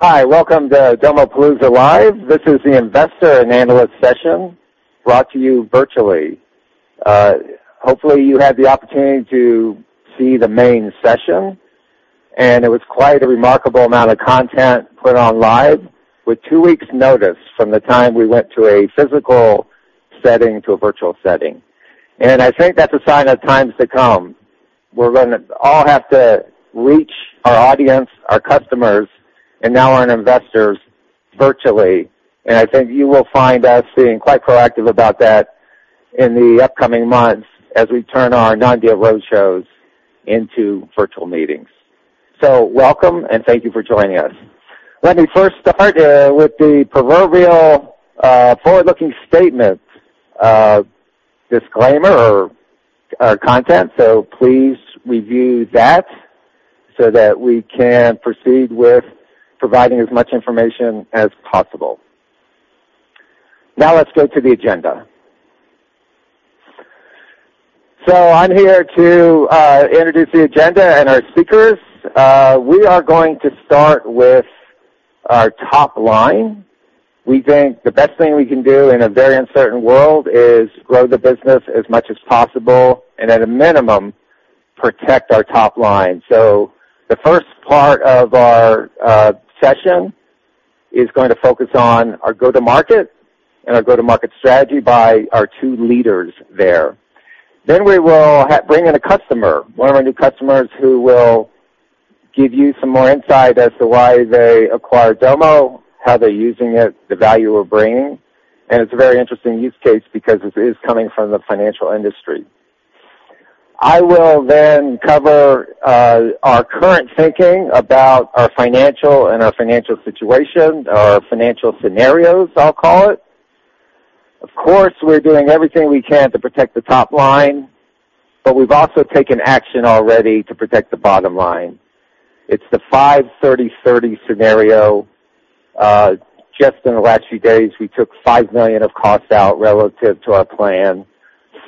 Hi, welcome to Domopalooza Live. This is the investor and analyst session brought to you virtually. Hopefully, you had the opportunity to see the main session, and it was quite a remarkable amount of content put on live with two weeks' notice from the time we went to a physical setting to a virtual setting. I think that's a sign of times to come. We're going to all have to reach our audience, our customers, and now our investors virtually. I think you will find us being quite proactive about that in the upcoming months as we turn our non-deal roadshows into virtual meetings. Welcome, and thank you for joining us. Let me first start with the proverbial forward-looking statement disclaimer or our content. Please review that so that we can proceed with providing as much information as possible. Now let's go to the agenda. I'm here to introduce the agenda and our speakers. We are going to start with our top line. We think the best thing we can do in a very uncertain world is grow the business as much as possible and at a minimum, protect our top line. The first part of our session is going to focus on our go-to-market and our go-to-market strategy by our two leaders there. We will bring in a customer, one of our new customers, who will give you some more insight as to why they acquired Domo, how they're using it, the value we're bringing. It's a very interesting use case because it is coming from the financial industry. I will then cover our current thinking about our financial and our financial situation, our financial scenarios, I'll call it. Of course, we're doing everything we can to protect the top line, but we've also taken action already to protect the bottom line. It's the 5/30/30 scenario. Just in the last few days, we took $5 million of cost out relative to our plan.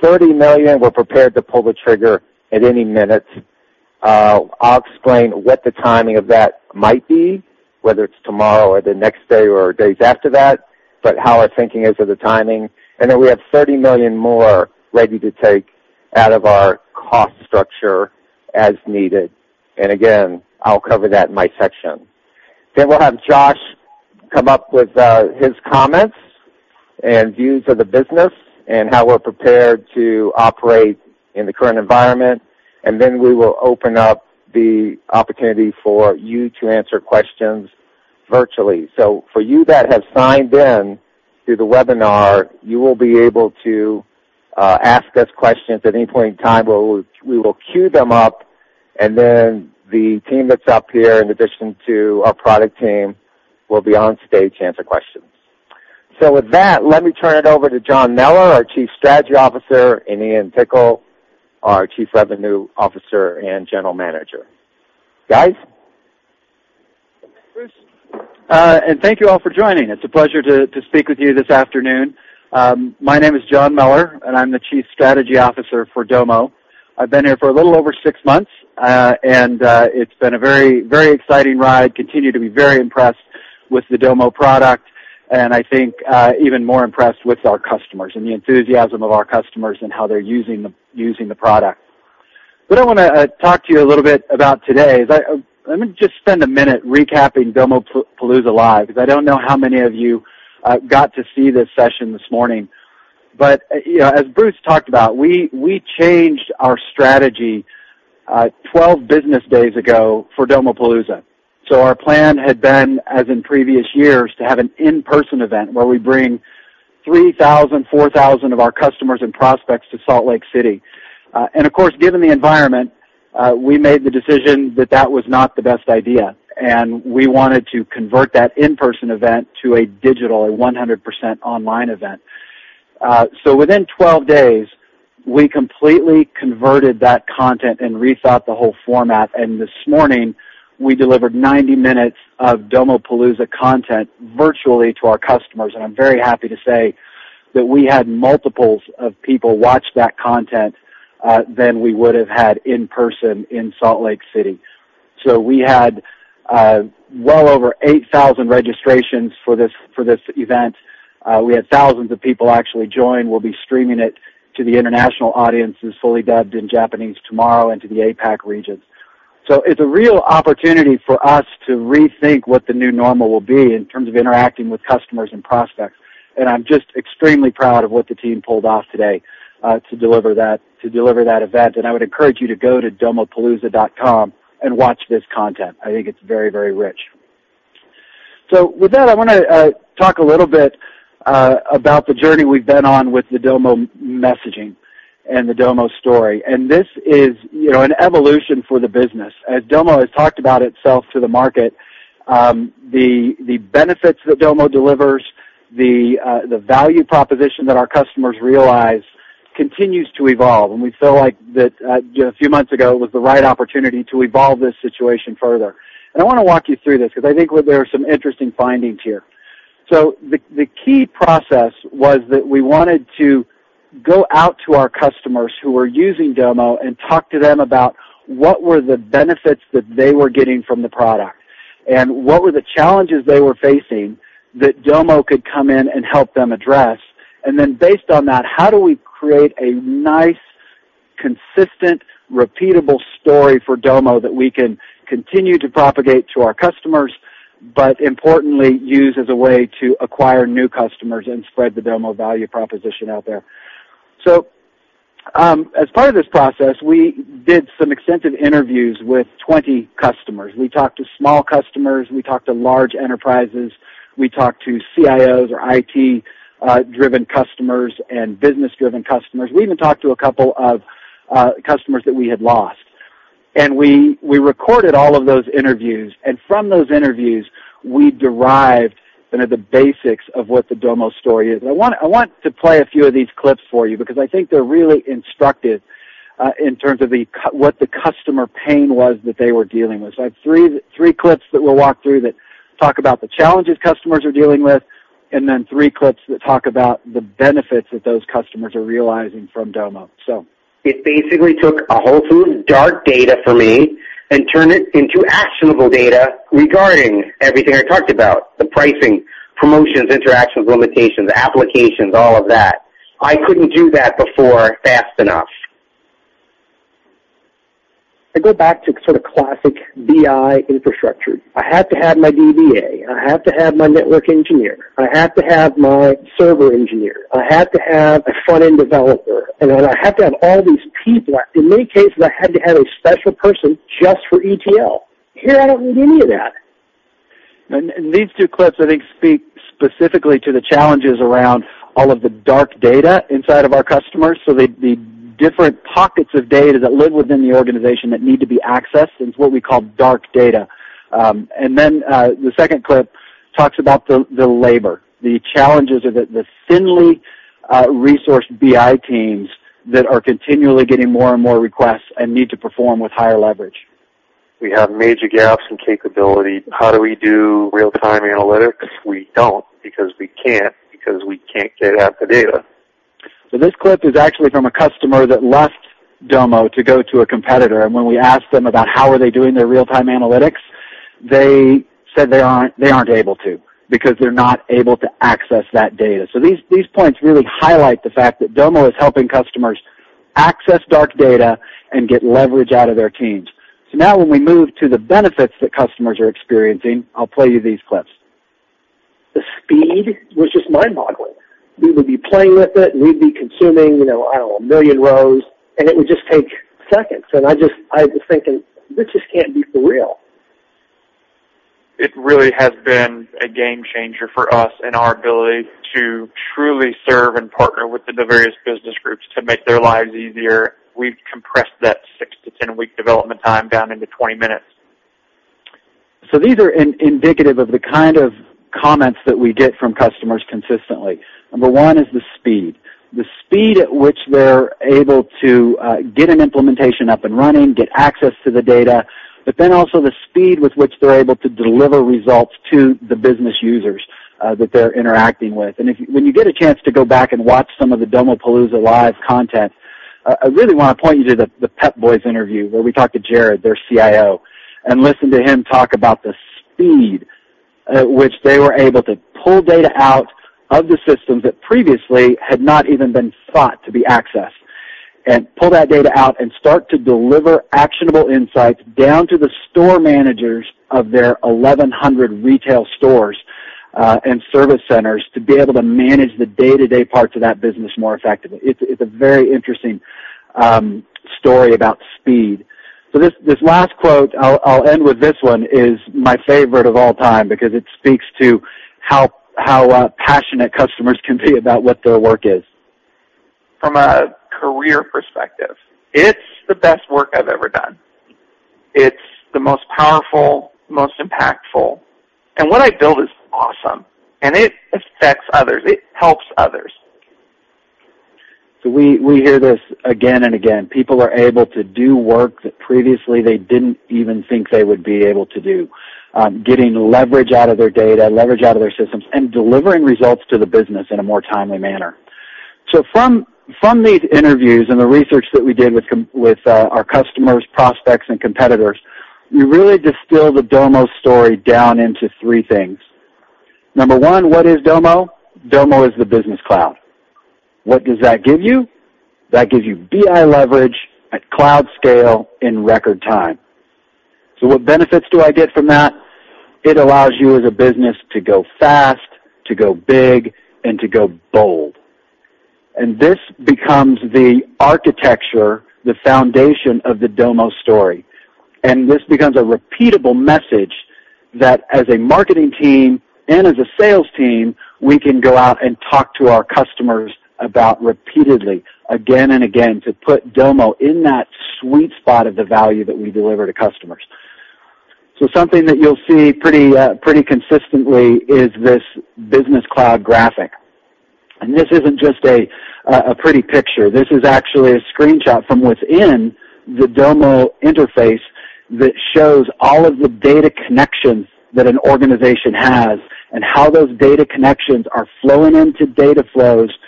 $30 million, we're prepared to pull the trigger at any minute. I'll explain what the timing of that might be, whether it's tomorrow or the next day or days after that, but how our thinking is for the timing. Then we have $30 million more ready to take out of our cost structure as needed. Again, I'll cover that in my section. Then we'll have Josh come up with his comments and views of the business and how we're prepared to operate in the current environment. Then we will open up the opportunity for you to answer questions virtually. For you that have signed in through the webinar, you will be able to ask us questions at any point in time. We will queue them up, and then the team that's up here, in addition to our product team, will be on stage to answer questions. With that, let me turn it over to John Mellor, our Chief Strategy Officer, and RJ Tracy, our Chief Revenue Officer and General Manager. Guys? Bruce. Thank you all for joining. It's a pleasure to speak with you this afternoon. My name is John Mellor, and I'm the Chief Strategy Officer for Domo. I've been here for a little over six months, and it's been a very exciting ride. Continue to be very impressed with the Domo product, and I think even more impressed with our customers and the enthusiasm of our customers and how they're using the product. What I want to talk to you a little bit about today is, let me just spend a minute recapping Domopalooza LIVE, because I don't know how many of you got to see this session this morning. As Bruce talked about, we changed our strategy 12 business days ago for Domopalooza. Our plan had been, as in previous years, to have an in-person event where we bring 3,000, 4,000 of our customers and prospects to Salt Lake City. Of course, given the environment, we made the decision that that was not the best idea, and we wanted to convert that in-person event to a digital, a 100% online event. Within 12 days, we completely converted that content and rethought the whole format. This morning, we delivered 90 minutes of Domopalooza content virtually to our customers. I'm very happy to say that we had multiples of people watch that content than we would have had in person in Salt Lake City. We had well over 8,000 registrations for this event. We had thousands of people actually join. We'll be streaming it to the international audiences fully dubbed in Japanese tomorrow and to the APAC regions. It's a real opportunity for us to rethink what the new normal will be in terms of interacting with customers and prospects. I'm just extremely proud of what the team pulled off today to deliver that event. I would encourage you to go to domopalooza.com and watch this content. I think it's very, very rich. With that, I want to talk a little bit about the journey we've been on with the Domo messaging and the Domo story. This is an evolution for the business. As Domo has talked about itself to the market, the benefits that Domo delivers, the value proposition that our customers realize continues to evolve. We feel like that a few months ago was the right opportunity to evolve this situation further. I want to walk you through this because I think there are some interesting findings here. The key process was that we wanted to go out to our customers who were using Domo and talk to them about what were the benefits that they were getting from the product, and what were the challenges they were facing that Domo could come in and help them address. Based on that, how do we create a nice, consistent, repeatable story for Domo that we can continue to propagate to our customers, but importantly, use as a way to acquire new customers and spread the Domo value proposition out there? As part of this process, we did some extensive interviews with 20 customers. We talked to small customers, we talked to large enterprises, we talked to CIOs or IT-driven customers and business-driven customers. We even talked to a couple of customers that we had lost. We recorded all of those interviews, and from those interviews, we derived the basics of what the Domo story is. I want to play a few of these clips for you because I think they're really instructive, in terms of what the customer pain was that they were dealing with. I have three clips that we'll walk through that talk about the challenges customers are dealing with, and then three clips that talk about the benefits that those customers are realizing from Domo. It basically took a whole ton of dark data for me and turned it into actionable data regarding everything I talked about, the pricing, promotions, interactions, limitations, applications, all of that. I couldn't do that before fast enough. I go back to sort of classic BI infrastructure. I had to have my DBA, I had to have my network engineer, I had to have my server engineer, I had to have a front-end developer, and then I had to have all these people. In many cases, I had to have a special person just for ETL. Here, I don't need any of that. These two clips, I think, speak specifically to the challenges around all of the dark data inside of our customers. The different pockets of data that live within the organization that need to be accessed is what we call dark data. Then, the second clip talks about the labor, the challenges of the thinly resourced BI teams that are continually getting more and more requests and need to perform with higher leverage. We have major gaps in capability. How do we do real-time analytics? We don't, because we can't, because we can't get at the data. This clip is actually from a customer that left Domo to go to a competitor, and when we asked them about how are they doing their real-time analytics, they said they aren't able to, because they're not able to access that data. These points really highlight the fact that Domo is helping customers access dark data and get leverage out of their teams. Now when we move to the benefits that customers are experiencing, I'll play you these clips. The speed was just mind-boggling. We would be playing with it, we'd be consuming, I don't know, 1 million rows, and it would just take seconds. I was just thinking, "This just can't be for real. It really has been a game-changer for us in our ability to truly serve and partner with the various business groups to make their lives easier. We've compressed that six to 10-week development time down into 20 minutes. These are indicative of the kind of comments that we get from customers consistently. Number one is the speed. The speed at which they're able to get an implementation up and running, get access to the data, also the speed with which they're able to deliver results to the business users that they're interacting with. When you get a chance to go back and watch some of the Domopalooza Live content, I really want to point you to the Pep Boys interview, where we talked to Jared, their CIO, and listen to him talk about the speed at which they were able to pull data out of the systems that previously had not even been thought to be accessed, and pull that data out and start to deliver actionable insights down to the store managers of their 1,100 retail stores, and service centers, to be able to manage the day-to-day parts of that business more effectively. It's a very interesting story about speed. This last quote, I'll end with this one, is my favorite of all time because it speaks to how passionate customers can be about what their work is. From a career perspective, it's the best work I've ever done. It's the most powerful, most impactful. What I build is awesome, and it affects others. It helps others. We hear this again and again. People are able to do work that previously they didn't even think they would be able to do. Getting leverage out of their data, leverage out of their systems, and delivering results to the business in a more timely manner. From these interviews and the research that we did with our customers, prospects, and competitors, we really distilled the Domo story down into three things. Number one, what is Domo? Domo is the Business Cloud. What does that give you? That gives you BI leverage at cloud scale in record time. What benefits do I get from that? It allows you as a business to go fast, to go big, and to go bold. This becomes the architecture, the foundation of the Domo story. This becomes a repeatable message that as a marketing team and as a sales team, we can go out and talk to our customers about repeatedly, again and again, to put Domo in that sweet spot of the value that we deliver to customers. Something that you'll see pretty consistently is this Business Cloud graphic. This isn't just a pretty picture. This is actually a screenshot from within the Domo interface that shows all of the data connections that an organization has, and how those data connections are flowing into data flows and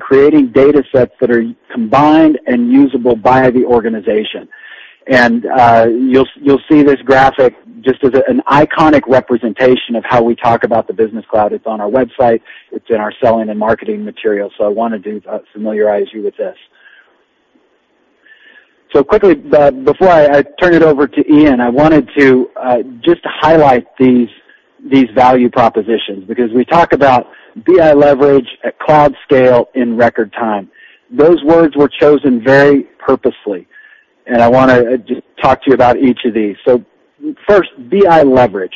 creating data sets that are combined and usable by the organization. You'll see this graphic just as an iconic representation of how we talk about the Business Cloud. It's on our website. It's in our selling and marketing material. I wanted to familiarize you with this. Quickly, before I turn it over to Ian, I wanted to just highlight these value propositions, because we talk about BI leverage at cloud scale in record time. Those words were chosen very purposely, and I want to just talk to you about each of these. First, BI leverage.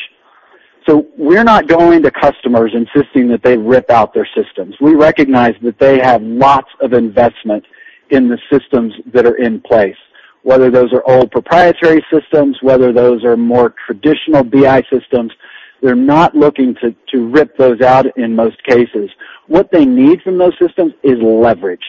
We're not going to customers insisting that they rip out their systems. We recognize that they have lots of investment in the systems that are in place, whether those are old proprietary systems, whether those are more traditional BI systems. We're not looking to rip those out in most cases. What they need from those systems is leverage.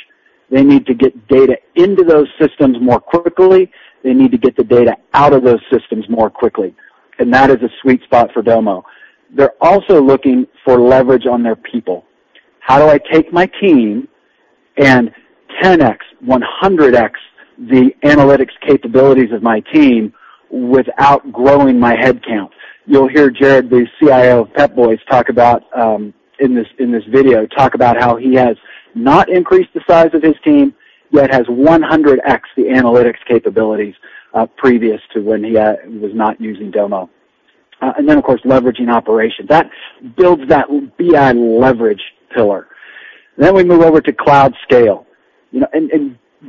They need to get data into those systems more quickly. They need to get the data out of those systems more quickly. That is a sweet spot for Domo. They're also looking for leverage on their people. How do I take my team and 10x, 100x the analytics capabilities of my team without growing my head count? You'll hear Jared, the CIO of Pep Boys, talk about, in this video, how he has not increased the size of his team, yet has 100x the analytics capabilities, previous to when he was not using Domo. Then, of course, leveraging operations. That builds that BI leverage pillar. We move over to cloud scale.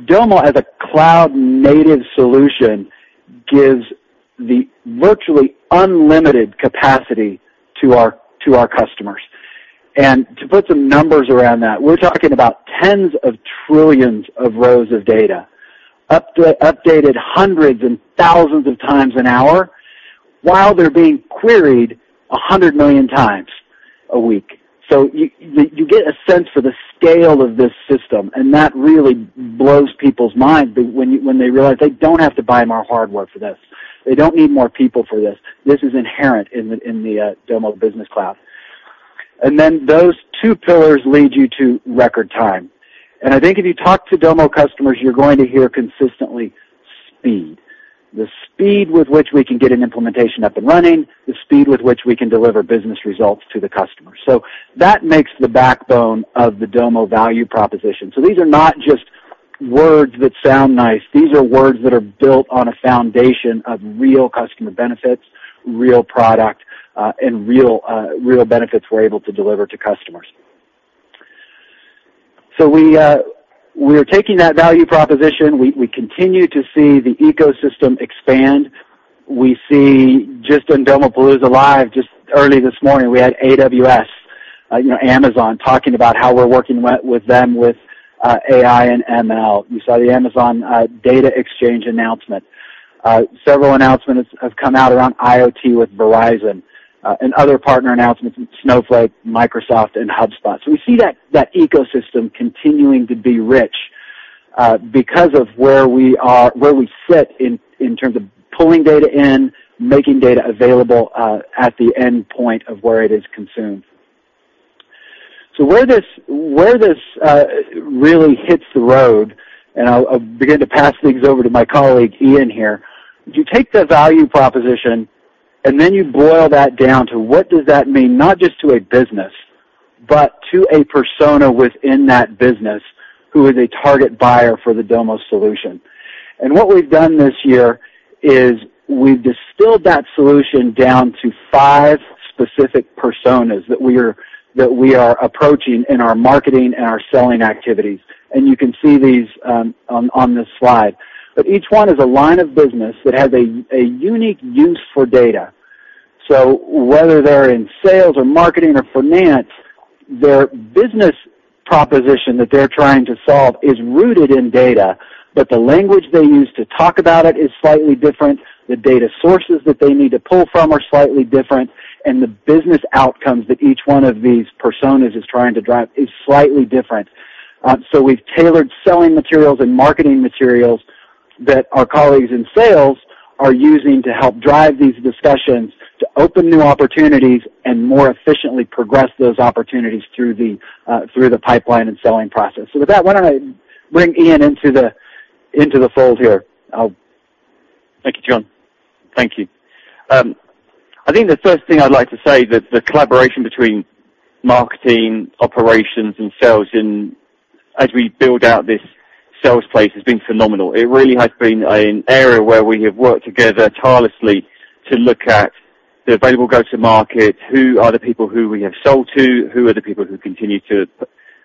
Domo, as a cloud-native solution, gives the virtually unlimited capacity to our customers. To put some numbers around that, we're talking about tens of trillions of rows of data, updated hundreds and thousands of times an hour, while they're being queried 100 million times a week. You get a sense for the scale of this system, and that really blows people's minds when they realize they don't have to buy more hardware for this. They don't need more people for this. This is inherent in the Domo Business Cloud. Those two pillars lead you to record time. I think if you talk to Domo customers, you're going to hear consistently speed, the speed with which we can get an implementation up and running, the speed with which we can deliver business results to the customer. That makes the backbone of the Domo value proposition. These are not just words that sound nice. These are words that are built on a foundation of real customer benefits, real product, and real benefits we're able to deliver to customers. We're taking that value proposition. We continue to see the ecosystem expand. We see just on Domopalooza Live, just early this morning, we had AWS, Amazon, talking about how we're working with them with AI and ML. You saw the AWS Data Exchange announcement. Several announcements have come out around IoT with Verizon, other partner announcements in Snowflake, Microsoft, and HubSpot. We see that ecosystem continuing to be rich because of where we sit in terms of pulling data in, making data available at the endpoint of where it is consumed. Where this really hits the road, I'll begin to pass things over to my colleague, Ian, here. You take the value proposition, then you boil that down to what does that mean, not just to a business, but to a persona within that business who is a target buyer for the Domo solution. What we've done this year is we've distilled that solution down to five specific personas that we are approaching in our marketing and our selling activities, and you can see these on this slide. Each one is a line of business that has a unique use for data. Whether they're in sales or marketing or finance, their business proposition that they're trying to solve is rooted in data, but the language they use to talk about it is slightly different, the data sources that they need to pull from are slightly different, and the business outcomes that each one of these personas is trying to drive is slightly different. We've tailored selling materials and marketing materials that our colleagues in sales are using to help drive these discussions, to open new opportunities, and more efficiently progress those opportunities through the pipeline and selling process. With that, why don't I bring Ian into the fold here? Thank you, John. Thank you. I think the first thing I'd like to say that the collaboration between marketing, operations, and sales in-- as we build out this sales place has been phenomenal. It really has been an area where we have worked together tirelessly to look at the available go-to market, who are the people who we have sold to, who are the people who continue to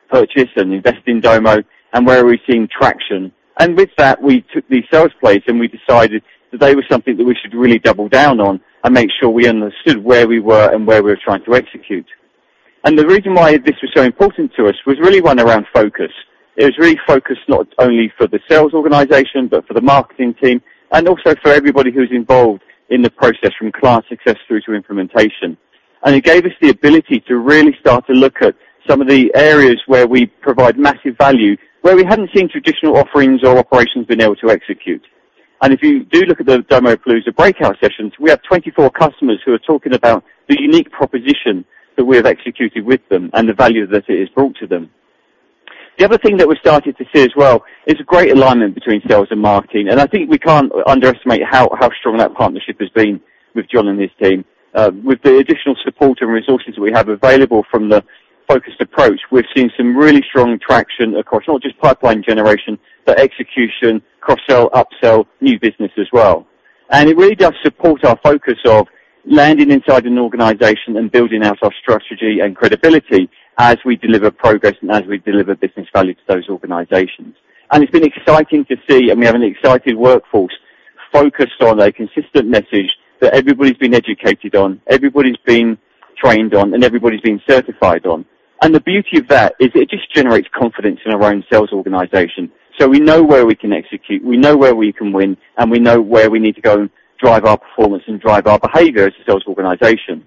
purchase and invest in Domo, and where are we seeing traction. With that, we took the sales place, and we decided that they were something that we should really double down on and make sure we understood where we were and where we were trying to execute. The reason why this was so important to us was really one around focus. It's not only for the sales organization, but for the marketing team, also for everybody who's involved in the process, from client success through to implementation. It gave us the ability to really start to look at some of the areas where we provide massive value, where we hadn't seen traditional offerings or operations been able to execute. If you do look at the Domopalooza breakout sessions, we have 24 customers who are talking about the unique proposition that we have executed with them and the value that it has brought to them. The other thing that we're starting to see as well is a great alignment between sales and marketing, I think we can't underestimate how strong that partnership has been with John and his team. With the additional support and resources that we have available from the focused approach, we've seen some really strong traction across not just pipeline generation, but execution, cross-sell, up-sell, new business as well. It really does support our focus of landing inside an organization and building out our strategy and credibility as we deliver progress and as we deliver business value to those organizations. It's been exciting to see, and we have an excited workforce focused on a consistent message that everybody's been educated on, everybody's been trained on, and everybody's been certified on. The beauty of that is it just generates confidence in our own sales organization. We know where we can execute, we know where we can win, and we know where we need to go and drive our performance and drive our behavior as a sales organization.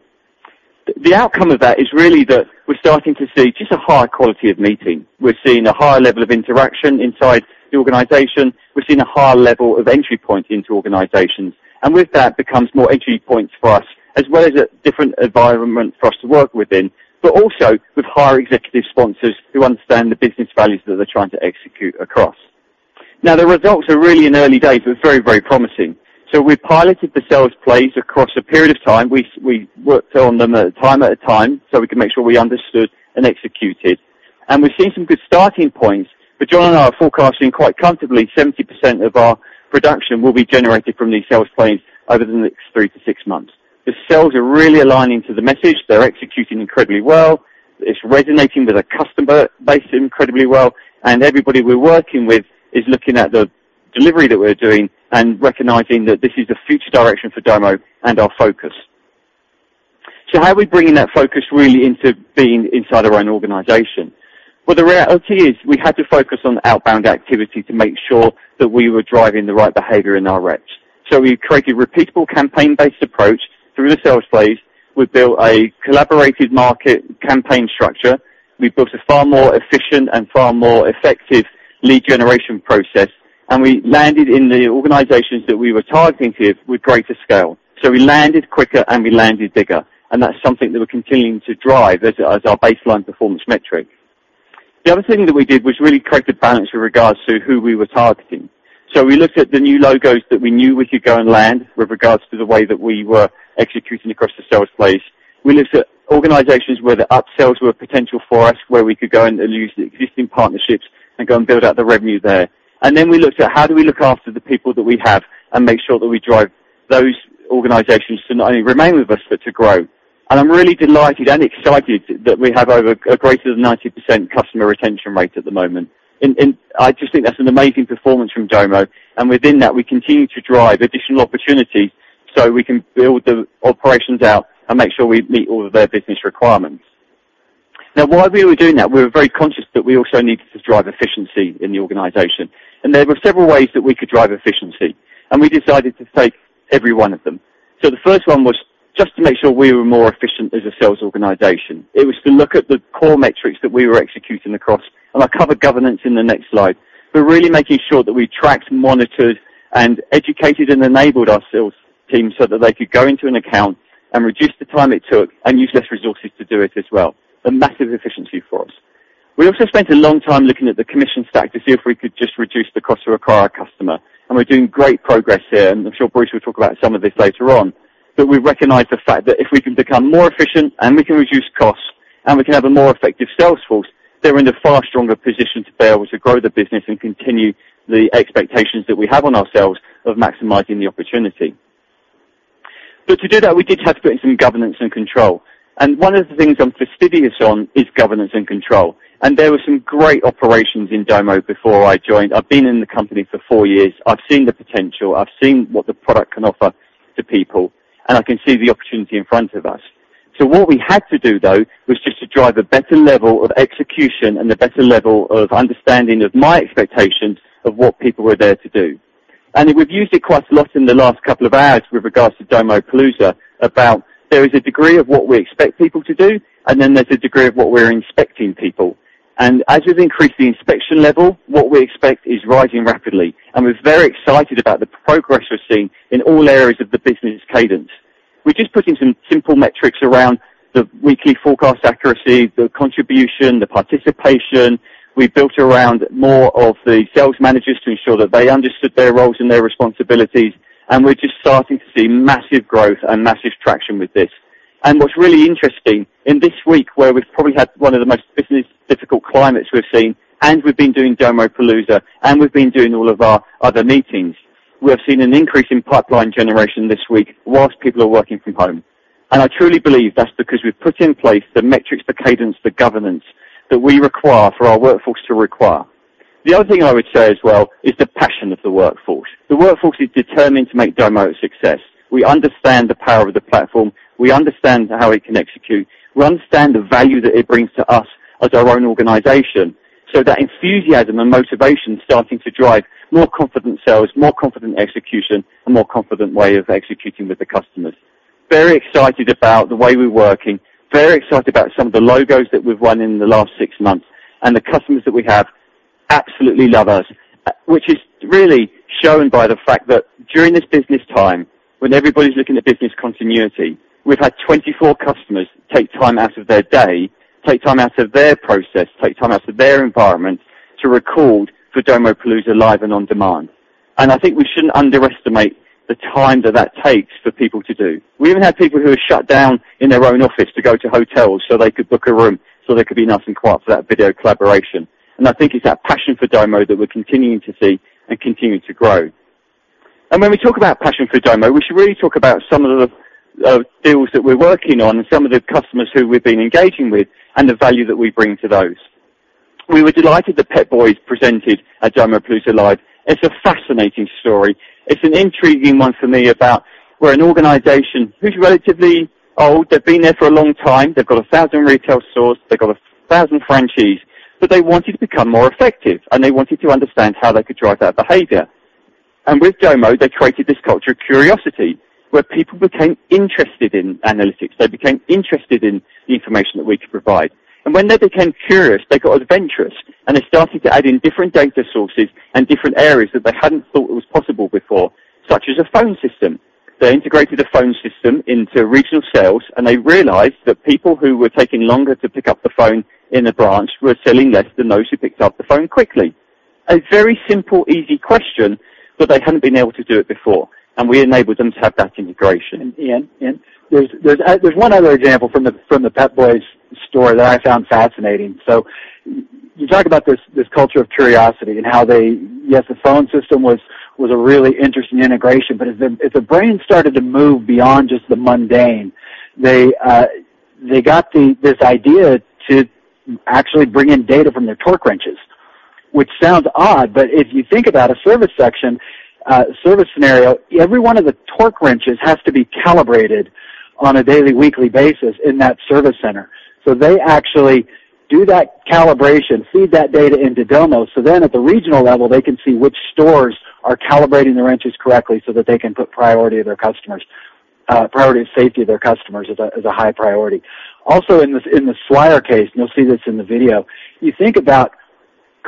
The outcome of that is really that we're starting to see just a higher quality of meeting. We're seeing a higher level of interaction inside the organization. We're seeing a higher level of entry point into organizations. With that becomes more entry points for us, as well as a different environment for us to work within, but also with higher executive sponsors who understand the business values that they're trying to execute across. The results are really in early days, but very, very promising. We piloted the sales plays across a period of time. We worked on them a time at a time so we could make sure we understood and executed. We've seen some good starting points, but John and I are forecasting quite comfortably 70% of our production will be generated from these sales plays over the next three to six months. The sales are really aligning to the message. They're executing incredibly well. It's resonating with our customer base incredibly well, and everybody we're working with is looking at the delivery that we're doing and recognizing that this is the future direction for Domo and our focus. How are we bringing that focus really into being inside our own organization? Well, the reality is we had to focus on outbound activity to make sure that we were driving the right behavior in our reps. We created repeatable campaign-based approach through the sales plays. We built a collaborative market campaign structure. We built a far more efficient and far more effective lead generation process, and we landed in the organizations that we were targeting to with greater scale. We landed quicker, and we landed bigger, and that's something that we're continuing to drive as our baseline performance metric. The other thing that we did was really create the balance with regards to who we were targeting. We looked at the new logos that we knew we could go and land with regards to the way that we were executing across the sales plays. We looked at organizations where the up-sells were potential for us, where we could go and use the existing partnerships and go and build out the revenue there. We looked at how do we look after the people that we have and make sure that we drive those organizations to not only remain with us, but to grow. I'm really delighted and excited that we have over a greater than 90% customer retention rate at the moment. I just think that's an amazing performance from Domo. Within that, we continue to drive additional opportunities so we can build the operations out and make sure we meet all of their business requirements. While we were doing that, we were very conscious that we also needed to drive efficiency in the organization. There were several ways that we could drive efficiency, and we decided to take every one of them. The first one was just to make sure we were more efficient as a sales organization. It was to look at the core metrics that we were executing across. I cover governance in the next slide. Really making sure that we tracked, monitored, and educated and enabled our sales team so that they could go into an account and reduce the time it took and use less resources to do it as well. A massive efficiency for us. We also spent a long time looking at the commission stack to see if we could just reduce the cost to acquire a customer. We're doing great progress here, and I'm sure Bruce will talk about some of this later on. We recognize the fact that if we can become more efficient and we can reduce costs and we can have a more effective sales force, they're in a far stronger position to be able to grow the business and continue the expectations that we have on ourselves of maximizing the opportunity. To do that, we did have to put in some governance and control. One of the things I'm fastidious on is governance and control. There were some great operations in Domo before I joined. I've been in the company for four years. I've seen the potential. I've seen what the product can offer to people, and I can see the opportunity in front of us. What we had to do, though, was just to drive a better level of execution and a better level of understanding of my expectations of what people were there to do. We've used it quite a lot in the last couple of hours with regards to Domopalooza about there is a degree of what we expect people to do, and then there's a degree of what we're inspecting people. As we've increased the inspection level, what we expect is rising rapidly. We're very excited about the progress we're seeing in all areas of the business cadence. We're just putting some simple metrics around the weekly forecast accuracy, the contribution, the participation. We built around more of the sales managers to ensure that they understood their roles and their responsibilities. We're just starting to see massive growth and massive traction with this. What's really interesting, in this week where we've probably had one of the most business difficult climates we've seen, and we've been doing Domopalooza, and we've been doing all of our other meetings, we have seen an increase in pipeline generation this week whilst people are working from home. I truly believe that's because we've put in place the metrics, the cadence, the governance that we require for our workforce to require. The other thing I would say as well is of the workforce, the workforce is determined to make Domo a success. We understand the power of the platform. We understand how it can execute. We understand the value that it brings to us as our own organization. That enthusiasm and motivation is starting to drive more confident sales, more confident execution, a more confident way of executing with the customers. Very excited about the way we're working, very excited about some of the logos that we've won in the last six months, and the customers that we have absolutely love us, which is really shown by the fact that during this business time, when everybody's looking at business continuity, we've had 24 customers take time out of their day, take time out of their process, take time out of their environment, to record for Domopalooza LIVE and on demand. I think we shouldn't underestimate the time that takes for people to do. We even had people who have shut down in their own office to go to hotels so they could book a room, so there could be nice and quiet for that video collaboration. I think it's that passion for Domo that we're continuing to see and continue to grow. When we talk about passion for Domo, we should really talk about some of the deals that we're working on and some of the customers who we've been engaging with and the value that we bring to those. We were delighted that Pep Boys presented at Domopalooza Live. It's a fascinating story. It's an intriguing one for me about where an organization who's relatively old, they've been there for a long time, they've got 1,000 retail stores, they've got 1,000 franchisees, but they wanted to become more effective, and they wanted to understand how they could drive that behavior. With Domo, they created this culture of curiosity, where people became interested in analytics. They became interested in the information that we could provide. When they became curious, they got adventurous, and they started to add in different data sources and different areas that they hadn't thought it was possible before, such as a phone system. They integrated a phone system into regional sales, and they realized that people who were taking longer to pick up the phone in a branch were selling less than those who picked up the phone quickly. A very simple, easy question, but they hadn't been able to do it before, and we enabled them to have that integration. There's one other example from the Pep Boys story that I found fascinating. You talk about this culture of curiosity and how they, yes, the phone system was a really interesting integration, but as the brain started to move beyond just the mundane, they got this idea to actually bring in data from their torque wrenches, which sounds odd, but if you think about a service section, service scenario, every one of the torque wrenches has to be calibrated on a daily, weekly basis in that service center. They actually do that calibration, feed that data into Domo, so then at the regional level, they can see which stores are calibrating their wrenches correctly so that they can put priority of their customers, priority of safety of their customers as a high priority. Also, in the Swire case, and you'll see this in the video, you think about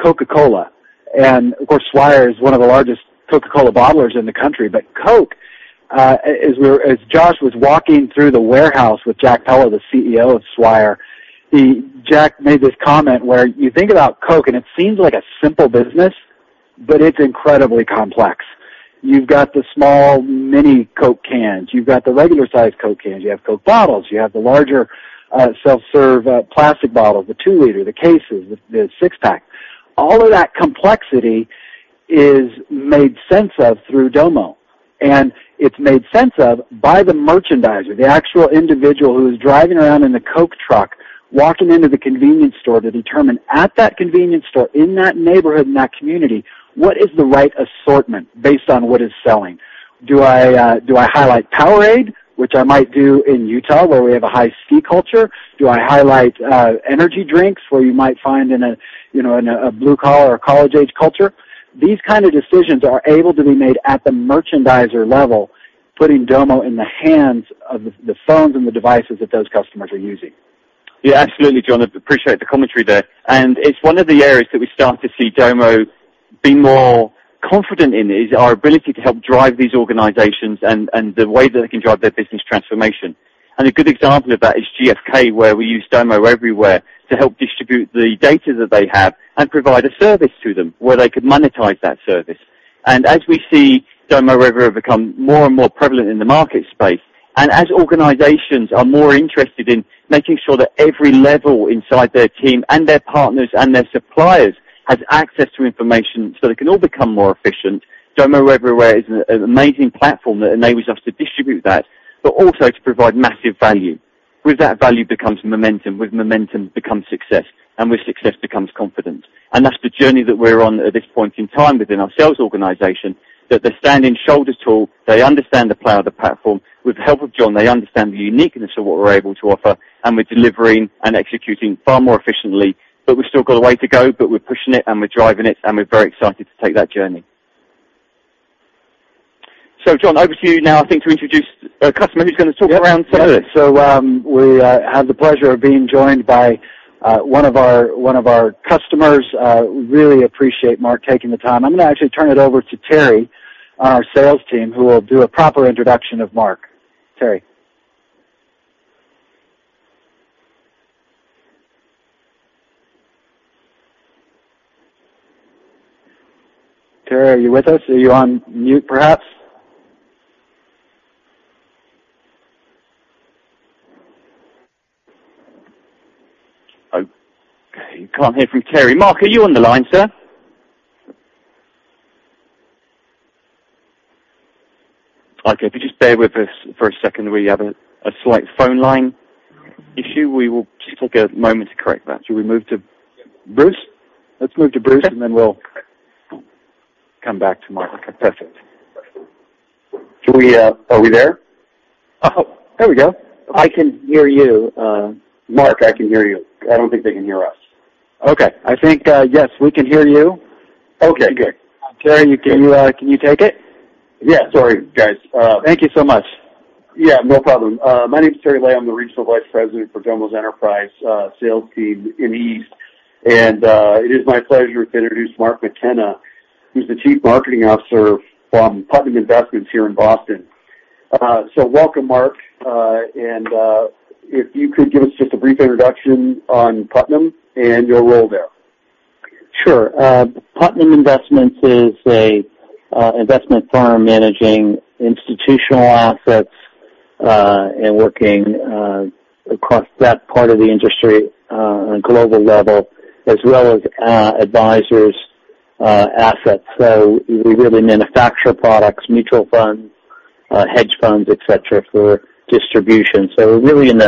Coca-Cola, and of course, Swire is one of the largest Coca-Cola bottlers in the country. Coke, as Josh was walking through the warehouse with Jack Pelo, the CEO of Swire, Jack made this comment where you think about Coke, and it seems like a simple business, but it's incredibly complex. You've got the small mini Coke cans. You've got the regular-sized Coke cans. You have Coke bottles. You have the larger self-serve plastic bottle, the two-liter, the cases, the six-pack. All of that complexity is made sense of through Domo, and it's made sense of by the merchandiser, the actual individual who is driving around in the Coke truck, walking into the convenience store to determine at that convenience store, in that neighborhood, in that community, what is the right assortment based on what is selling. Do I highlight POWERADE, which I might do in Utah, where we have a Hi-C culture? Do I highlight energy drinks, where you might find in a blue-collar or college-age culture? These kind of decisions are able to be made at the merchandiser level, putting Domo in the hands of the phones and the devices that those customers are using. Yeah, absolutely, John. I appreciate the commentary there. It's one of the areas that we start to see Domo be more confident in, is our ability to help drive these organizations and the way that it can drive their business transformation. A good example of that is GfK, where we use Domo Everywhere to help distribute the data that they have and provide a service to them where they could monetize that service. As we see Domo Everywhere become more and more prevalent in the market space, and as organizations are more interested in making sure that every level inside their team and their partners and their suppliers has access to information so they can all become more efficient, Domo Everywhere is an amazing platform that enables us to distribute that, but also to provide massive value. With that value becomes momentum, with momentum becomes success, and with success becomes confidence. That's the journey that we're on at this point in time within our sales organization, that they're standing shoulders tall. They understand the power of the platform. With the help of John, they understand the uniqueness of what we're able to offer, and we're delivering and executing far more efficiently. We've still got a way to go, but we're pushing it, and we're driving it, and we're very excited to take that journey. John, over to you now, I think, to introduce a customer who's going to talk around service. Yep. We have the pleasure of being joined by one of our customers. Really appreciate Mark taking the time. I'm going to actually turn it over to Terry, our sales team, who will do a proper introduction of Mark. Terry? Terry, are you with us? Are you on mute, perhaps? Okay, we can't hear from Terry. Mark, are you on the line, sir? Okay. If you just bear with us for a second, we have a slight phone line issue. We will just take a moment to correct that. Should we move to Bruce? Let's move to Bruce, and then we'll come back to Mark. Okay, perfect. Are we there? Oh, there we go. I can hear you. Mark, I can hear you. I don't think they can hear us. Okay. I think, yes, we can hear you. Okay, good. Terry, can you take it? Yeah, sorry, guys. Thank you so much. Yeah, no problem. My name is Terry Layo. I'm the Regional Vice President for Domo's Enterprise sales team in the East. It is my pleasure to introduce Mark McKenna, who's the Chief Marketing Officer from Putnam Investments here in Boston. Welcome, Mark. If you could give us just a brief introduction on Putnam and your role there. Sure. Putnam Investments is an investment firm managing institutional assets, and working across that part of the industry on a global level as well as advisors assets. We really manufacture products, mutual funds, hedge funds, et cetera, for distribution. We're really in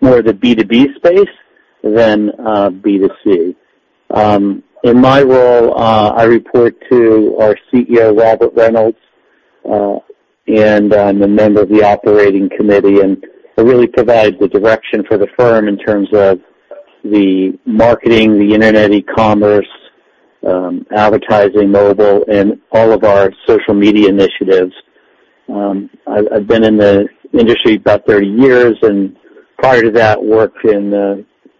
more of the B2B space than B2C. In my role, I report to our CEO, Robert Reynolds, and I'm a member of the operating committee, and I really provide the direction for the firm in terms of the marketing, the internet, e-commerce, advertising, mobile, and all of our social media initiatives. I've been in the industry about 30 years, and prior to that, worked in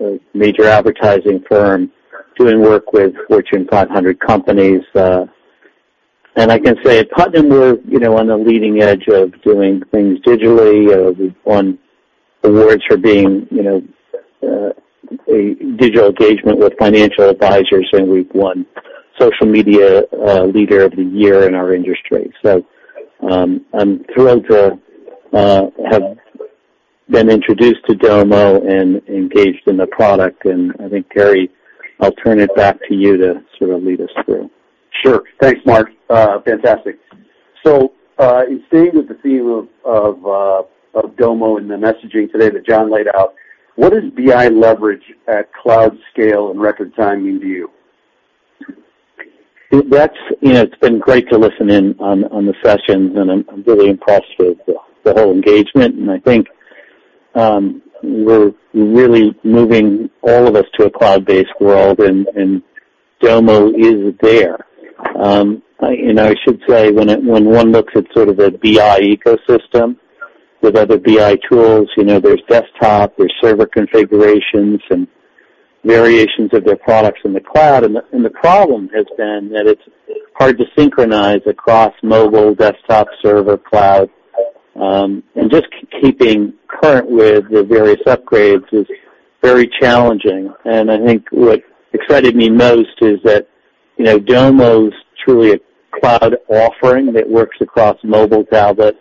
a major advertising firm doing work with Fortune 500 companies. I can say Putnam, we're on the leading edge of doing things digitally. We've won awards for being a digital engagement with financial advisors, and we've won social media leader of the year in our industry. I'm thrilled to have been introduced to Domo and engaged in the product. I think, Terry, I'll turn it back to you to sort of lead us through. Sure. Thanks, Mark. Fantastic. In staying with the theme of Domo and the messaging today that John laid out, what is BI leverage at cloud scale and record time mean to you? It's been great to listen in on the sessions, and I'm really impressed with the whole engagement. I think we're really moving all of us to a cloud-based world, and Domo is there. I should say, when one looks at sort of a BI ecosystem with other BI tools, there's desktop, there's server configurations, and variations of their products in the cloud. The problem has been that it's hard to synchronize across mobile, desktop, server, cloud, and just keeping current with the various upgrades is very challenging. I think what excited me most is that Domo's truly a cloud offering that works across mobile, tablet,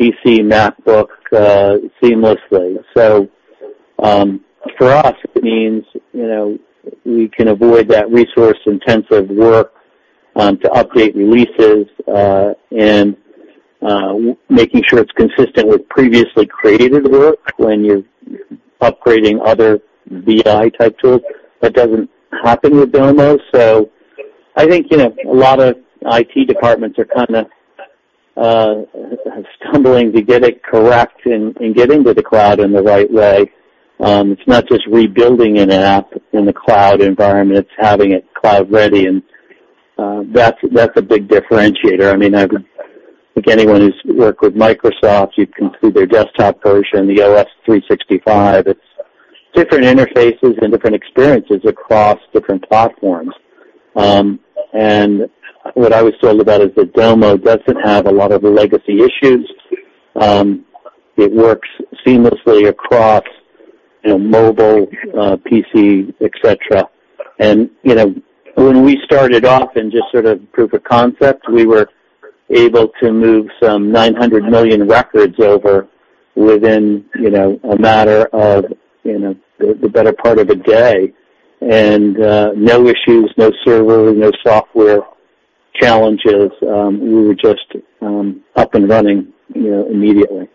PC, MacBook, seamlessly. For us, it means we can avoid that resource-intensive work, to update releases, and making sure it's consistent with previously created work when you're upgrading other BI-type tools. That doesn't happen with Domo. I think a lot of IT departments are kind of stumbling to get it correct in getting to the cloud in the right way. It's not just rebuilding an app in the cloud environment, it's having it cloud-ready, and that's a big differentiator. I think anyone who's worked with Microsoft, you can see their desktop version, the Microsoft 365. It's different interfaces and different experiences across different platforms. What I was sold about is that Domo doesn't have a lot of legacy issues. It works seamlessly across mobile, PC, et cetera. When we started off in just sort of proof of concept, we were able to move some 900 million records over within a matter of the better part of a day. No issues, no server, no software challenges. We were just up and running immediately.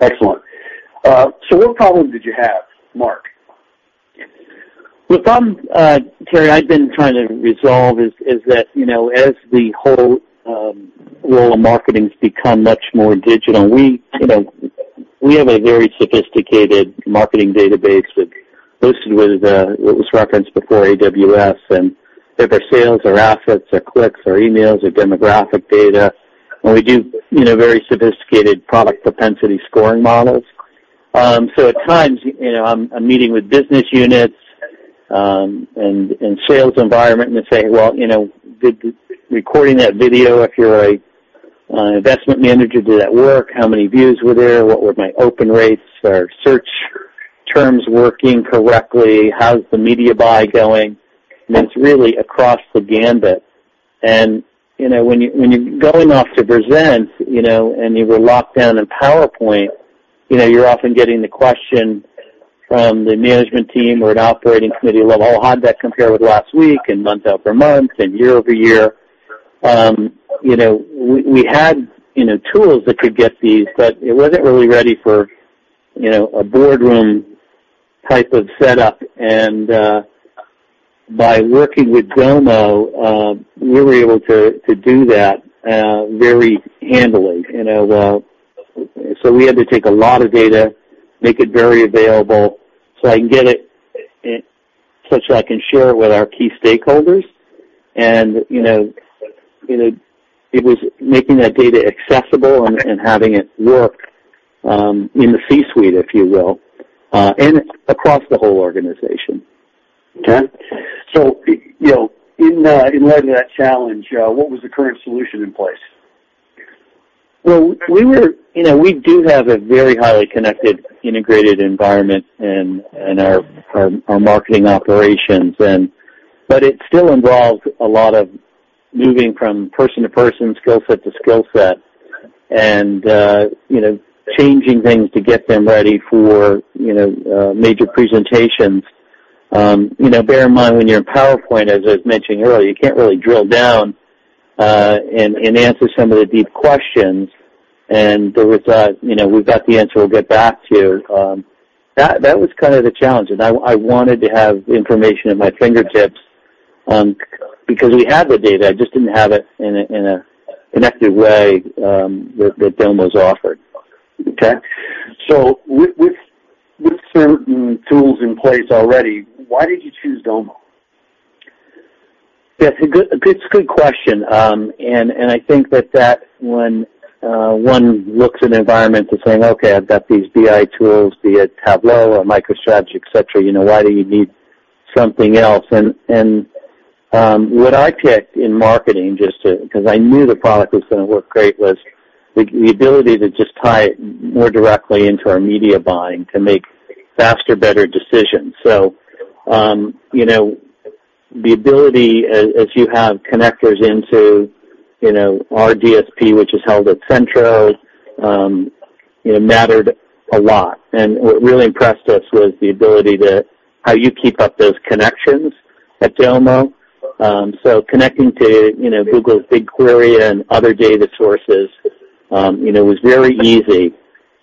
Excellent. What problem did you have, Mark? The problem, Terry, I've been trying to resolve is that, as the whole role of marketing's become much more digital, we have a very sophisticated marketing database that's listed with, it was referenced before, AWS, and they're either sales or assets or clicks or emails or demographic data. We do very sophisticated product propensity scoring models. At times, I'm meeting with business units, and sales environment, and they're saying, "Well, recording that video, if you're an investment manager, did that work? How many views were there? What were my open rates? Are search terms working correctly? How's the media buy going?" It's really across the gamut. When you're going off to present, and you were locked down in PowerPoint, you're often getting the question from the management team or an operating committee level, how'd that compare with last week and month-over-month and year-over-year? We had tools that could get these, but it wasn't really ready for a boardroom type of setup. By working with Domo, we were able to do that very handily. We had to take a lot of data, make it very available, such that I can share it with our key stakeholders. It was making that data accessible and having it work in the C-suite, if you will, and across the whole organization. Okay. In light of that challenge, what was the current solution in place? Well, we do have a very highly connected, integrated environment in our marketing operations, but it still involves a lot of moving from person to person, skill set to skill set, and changing things to get them ready for major presentations. Bear in mind, when you're in PowerPoint, as I was mentioning earlier, you can't really drill down and answer some of the deep questions. There was a, "We've got the answer. We'll get back to you." That was kind of the challenge, and I wanted to have information at my fingertips, because we had the data, I just didn't have it in a connected way that Domo's offered. Okay. With certain tools in place already, why did you choose Domo? That's a good question. I think that when one looks at an environment to saying, "Okay, I've got these BI tools, be it Tableau or MicroStrategy, et cetera, why do you need something else?" What I picked in marketing, because I knew the product was going to work great, was the ability to just tie it more directly into our media buying to make faster, better decisions. The ability, as you have connectors into our DSP, which is held at Centro, mattered a lot. What really impressed us was the ability to how you keep up those connections at Domo. Connecting to Google's BigQuery and other data sources, was very easy.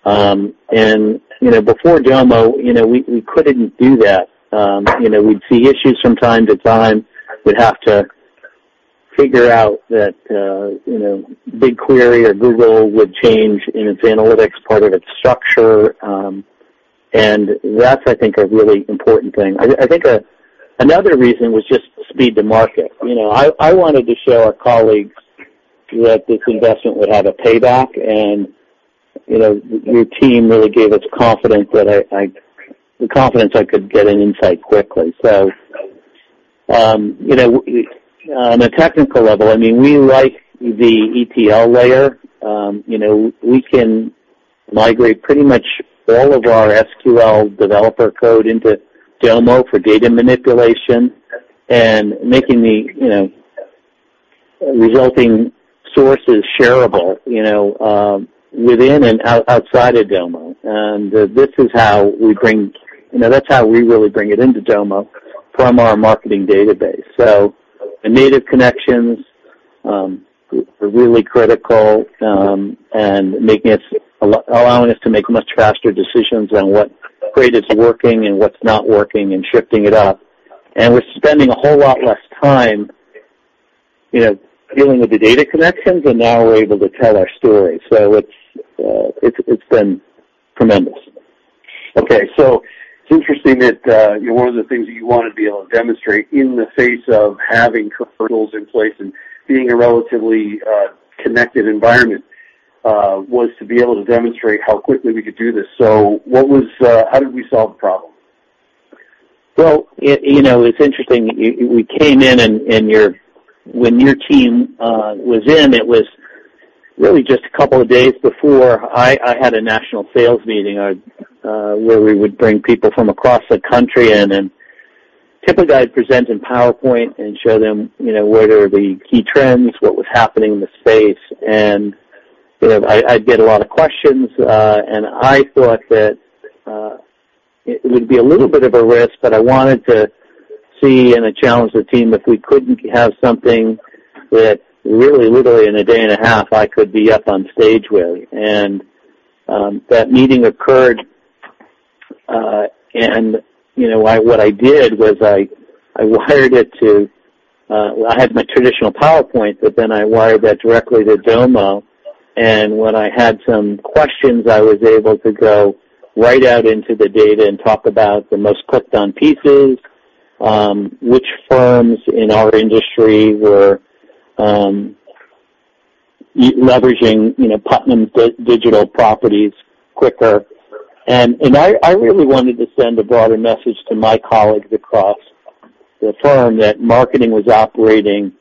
Before Domo, we couldn't do that. We'd see issues from time to time. We'd have to figure out that BigQuery or Google would change in its analytics, part of its structure. That's, I think, a really important thing. I think another reason was just speed to market. I wanted to show our colleagues that this investment would have a payback, and your team really gave us the confidence I could get an insight quickly. On a technical level, we like the ETL layer. We can migrate pretty much all of our SQL developer code into Domo for data manipulation, and making the resulting sources shareable, within and outside of Domo. That's how we really bring it into Domo from our marketing database. The native connections were really critical, allowing us to make much faster decisions on what creative's working and what's not working and shifting it up. We're spending a whole lot less time dealing with the data connections, and now we're able to tell our story. It's been tremendous. It's interesting that one of the things that you want to be able to demonstrate in the face of having tools in place and being a relatively connected environment, was to be able to demonstrate how quickly we could do this. How did we solve the problem? Well, it's interesting. We came in, and when your team was in, it was really just a couple of days before I had a national sales meeting, where we would bring people from across the country in, and typically, I'd present in PowerPoint and show them what are the key trends, what was happening in the space. I'd get a lot of questions, and I thought that it would be a little bit of a risk, but I wanted to see and challenge the team if we couldn't have something that really literally in a day and a half, I could be up on stage with. That meeting occurred, and what I did was I had my traditional PowerPoint, but then I wired that directly to Domo, and when I had some questions, I was able to go right out into the data and talk about the most clicked-on pieces, which firms in our industry were leveraging Putnam's digital properties quicker. I really wanted to send a broader message to my colleagues across the firm that marketing was operating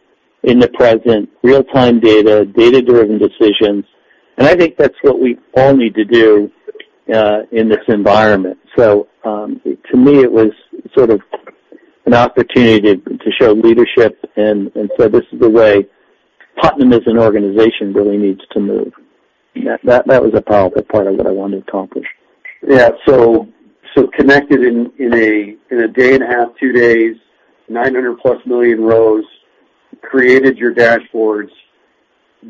in the present, real-time, data-driven decisions, and I think that's what we all need to do in this environment. To me, it was sort of an opportunity to show leadership and say, "This is the way." Putnam as an organization really needs to move. That was a powerful part of what I wanted to accomplish. Yeah. Connected in a day and a half, two days, 900 million plus rows, created your dashboards,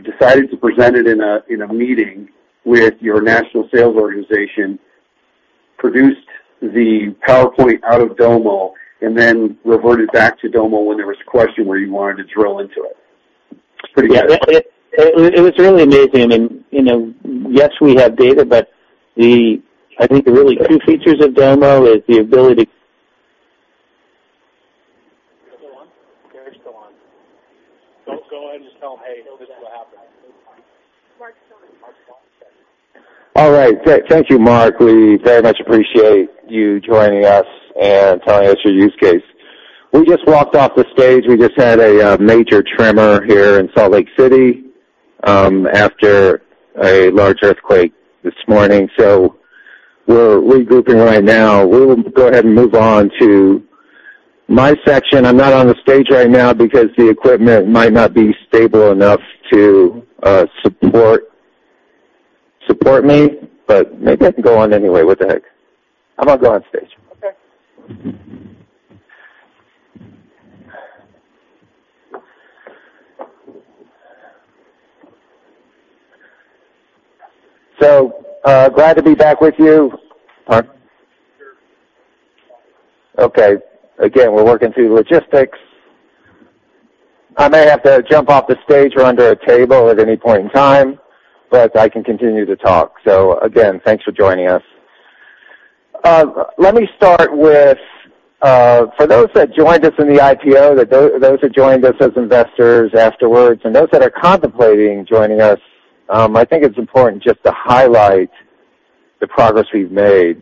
decided to present it in a meeting with your national sales organization, produced the PowerPoint out of Domo, and then reverted back to Domo when there was a question where you wanted to drill into it. Pretty good. Yeah. It was really amazing. I mean, yes, we have data, but I think the really key features of Domo is the ability- Is he still on? Yeah, he's still on. Go ahead and just tell him, "Hey, this is what happened." All right. Thank you, Mark. We very much appreciate you joining us and telling us your use case. We just walked off the stage. We just had a major tremor here in Salt Lake City, after a large earthquake this morning. We're regrouping right now. We'll go ahead and move on to my section. I'm not on the stage right now because the equipment might not be stable enough to support me, but maybe I can go on anyway. What the heck? How about go on stage? Okay. Glad to be back with you. Mark? Sure. Okay, again, we're working through logistics. I may have to jump off the stage or under a table at any point in time, but I can continue to talk. Again, thanks for joining us. Let me start with, for those that joined us in the IPO, those who joined us as investors afterwards, and those that are contemplating joining us, I think it's important just to highlight the progress we've made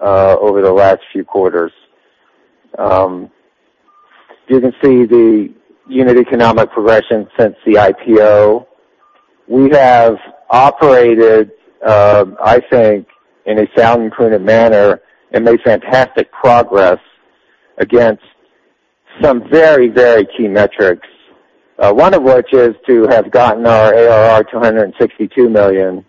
over the last few quarters. You can see the unit economic progression since the IPO. We have operated, I think, in a sound and prudent manner and made fantastic progress against some very, very key metrics. One of which is to have gotten our ARR to $162 million,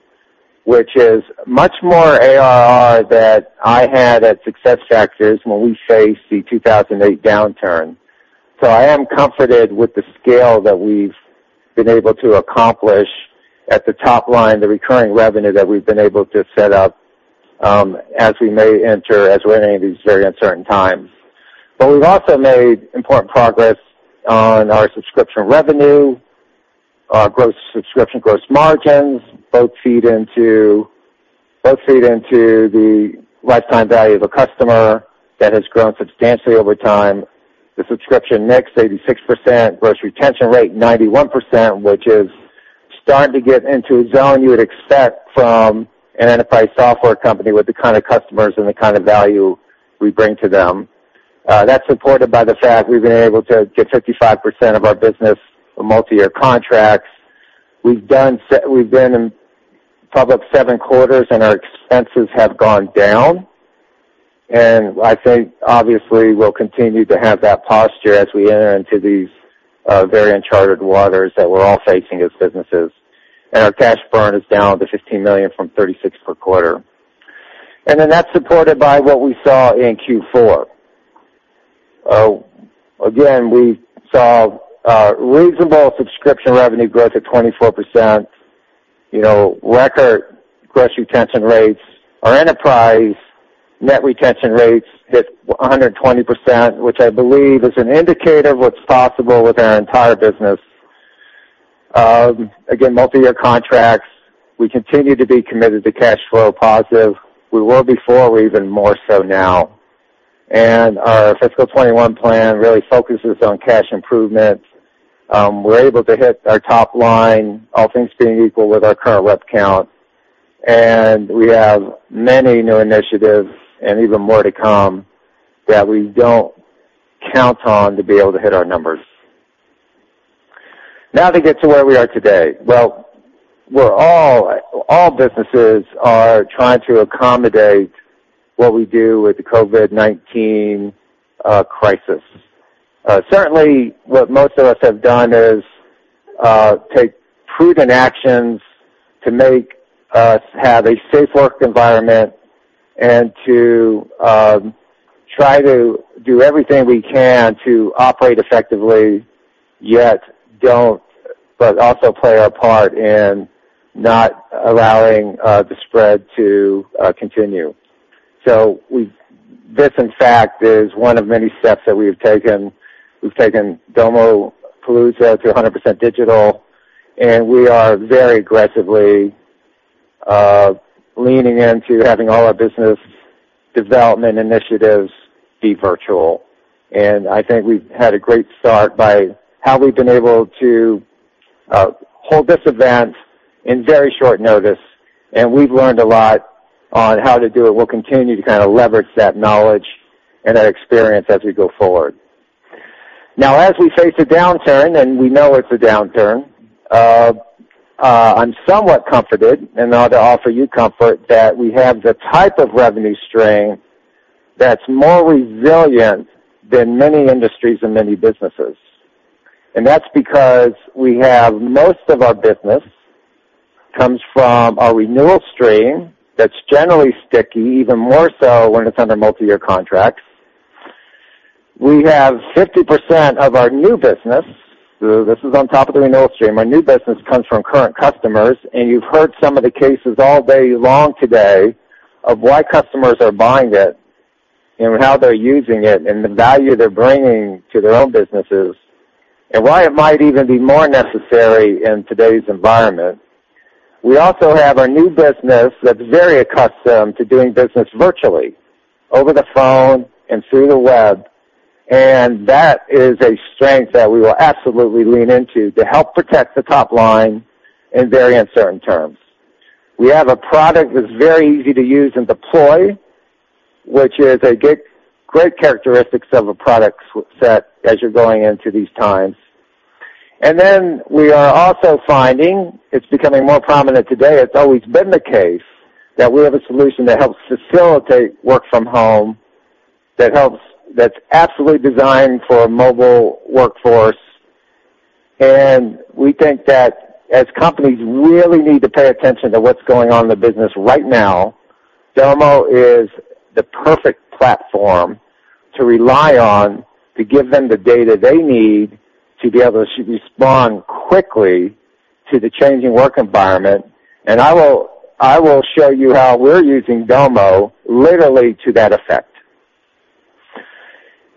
which is much more ARR that I had at SuccessFactors when we faced the 2008 downturn. I am comforted with the scale that we've been able to accomplish at the top line, the recurring revenue that we've been able to set up, as we're entering these very uncertain times. We've also made important progress on our subscription revenue, our gross subscription gross margins, both feed into the lifetime value of a customer that has grown substantially over time. The subscription mix, 86%, gross retention rate, 91%, which is starting to get into a zone you would expect from an enterprise software company with the kind of customers and the kind of value we bring to them. That's supported by the fact we've been able to get 55% of our business on multi-year contracts. We've been in public seven quarters, and our expenses have gone down. I think obviously we'll continue to have that posture as we enter into these very uncharted waters that we're all facing as businesses. Our cash burn is down to $15 million from $36 million per quarter. That's supported by what we saw in Q4. Again, we saw reasonable subscription revenue growth of 24%, record gross retention rates. Our enterprise net retention rates hit 120%, which I believe is an indicator of what's possible with our entire business. Again, multi-year contracts. We continue to be committed to cash flow positive. We were before, we're even more so now. Our fiscal 2021 plan really focuses on cash improvements. We're able to hit our top line, all things being equal with our current rep count. We have many new initiatives and even more to come that we don't count on to be able to hit our numbers. Now, to get to where we are today. Well, all businesses are trying to accommodate what we do with the COVID-19 crisis. Certainly, what most of us have done is, take prudent actions to make us have a safe work environment and to try to do everything we can to operate effectively, but also play our part in not allowing the spread to continue. This, in fact, is one of many steps that we have taken. We've taken Domopalooza to 100% digital. We are very aggressively leaning into having all our business development initiatives be virtual. I think we've had a great start by how we've been able to hold this event in very short notice, and we've learned a lot on how to do it. We'll continue to kind of leverage that knowledge and that experience as we go forward. As we face a downturn, and we know it's a downturn, I'm somewhat comforted and now to offer you comfort that we have the type of revenue stream that's more resilient than many industries and many businesses. That's because we have most of our business comes from our renewal stream that's generally sticky, even more so when it's under multi-year contracts. We have 50% of our new business. This is on top of the renewal stream. Our new business comes from current customers, you've heard some of the cases all day long today of why customers are buying it and how they're using it and the value they're bringing to their own businesses, and why it might even be more necessary in today's environment. We also have our new business that's very accustomed to doing business virtually, over the phone and through the web. That is a strength that we will absolutely lean into to help protect the top line in very uncertain terms. We have a product that's very easy to use and deploy, which is a great characteristic of a product set as you're going into these times. We are also finding it's becoming more prominent today, it's always been the case, that we have a solution that helps facilitate work from home, that's absolutely designed for a mobile workforce. We think that as companies really need to pay attention to what's going on in the business right now, Domo is the perfect platform to rely on to give them the data they need to be able to respond quickly to the changing work environment. I will show you how we're using Domo literally to that effect.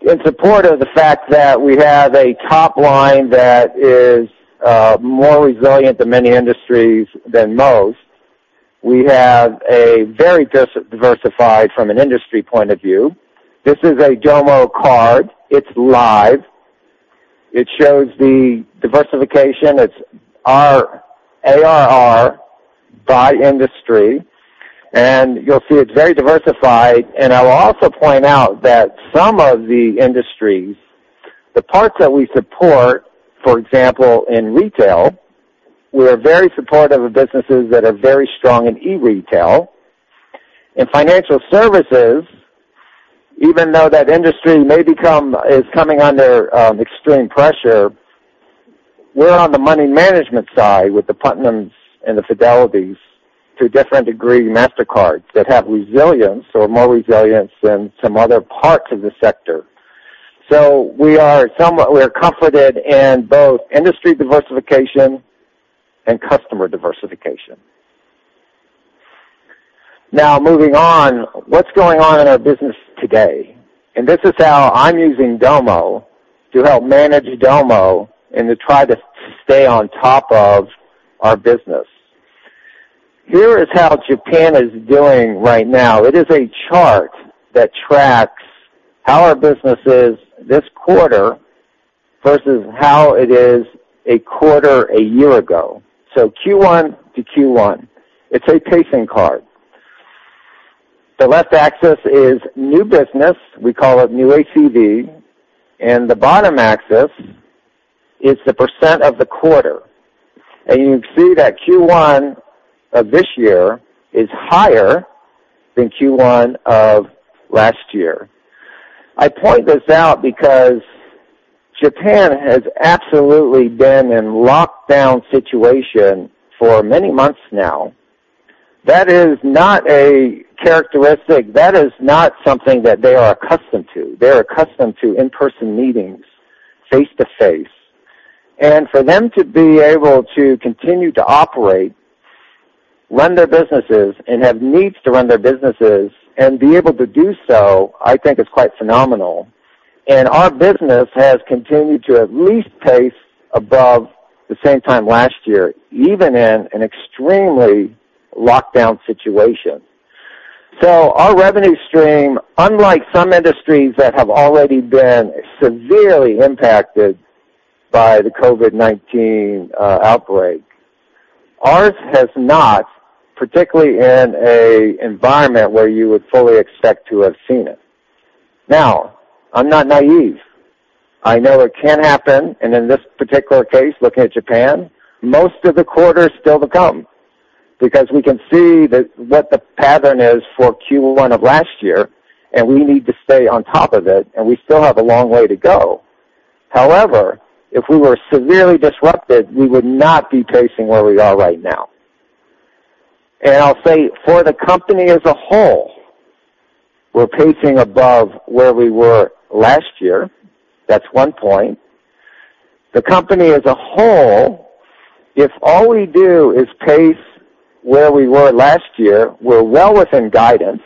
In support of the fact that we have a top line that is more resilient than many industries than most, we have a very diversified from an industry point of view. This is a Domo card. It's live. It shows the diversification. It's our ARR by industry. You'll see it's very diversified. I will also point out that some of the industries, the parts that we support, for example, in retail, we are very supportive of businesses that are very strong in e-retail. In financial services, even though that industry is coming under extreme pressure, we're on the money management side with the Putnams and the Fidelities, to a different degree, Mastercards that have resilience or more resilience than some other parts of the sector. We are comforted in both industry diversification and customer diversification. Now, moving on. What's going on in our business today? This is how I'm using Domo to help manage Domo and to try to stay on top of our business. Here is how Japan is doing right now. It is a chart that tracks how our business is this quarter versus how it is a quarter a year ago. Q1 to Q1. It's a pacing card. The left axis is new business. We call it new ACV, and the bottom axis is the percent of the quarter. You see that Q1 of this year is higher than Q1 of last year. I point this out because Japan has absolutely been in lockdown situation for many months now. That is not a characteristic. That is not something that they are accustomed to. They're accustomed to in-person meetings, face-to-face. For them to be able to continue to operate, run their businesses, and have needs to run their businesses and be able to do so, I think is quite phenomenal. Our business has continued to at least pace above the same time last year, even in an extremely lockdown situation. Our revenue stream, unlike some industries that have already been severely impacted by the COVID-19 outbreak, ours has not, particularly in a environment where you would fully expect to have seen it. I'm not naïve. I know it can happen. In this particular case, looking at Japan, most of the quarter is still to come because we can see what the pattern is for Q1 of last year, and we need to stay on top of it, and we still have a long way to go. However, if we were severely disrupted, we would not be pacing where we are right now. I'll say for the company as a whole, we're pacing above where we were last year. That's one point. The company as a whole, if all we do is pace where we were last year, we're well within guidance.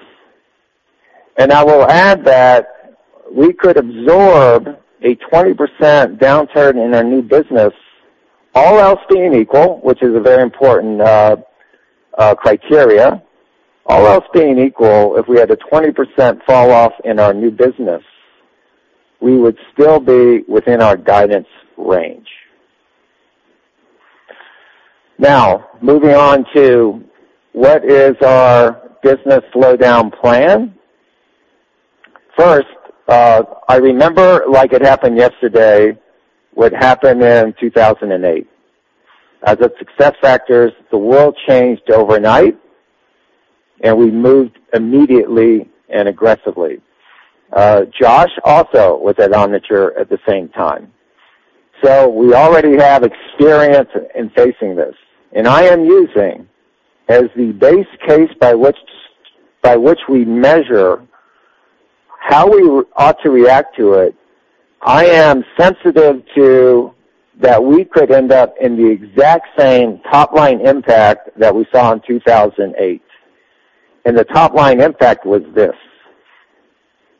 I will add that we could absorb a 20% downturn in our new business, all else being equal, which is a very important criteria. All else being equal, if we had a 20% fall off in our new business, we would still be within our guidance range. Moving on to what is our business slowdown plan. First, I remember, like it happened yesterday, what happened in 2008. As of SuccessFactors, the world changed overnight, and we moved immediately and aggressively. Josh also was at Omniture at the same time. We already have experience in facing this, and I am using as the base case by which we measure how we ought to react to it. I am sensitive to that we could end up in the exact same top-line impact that we saw in 2008, and the top-line impact was this.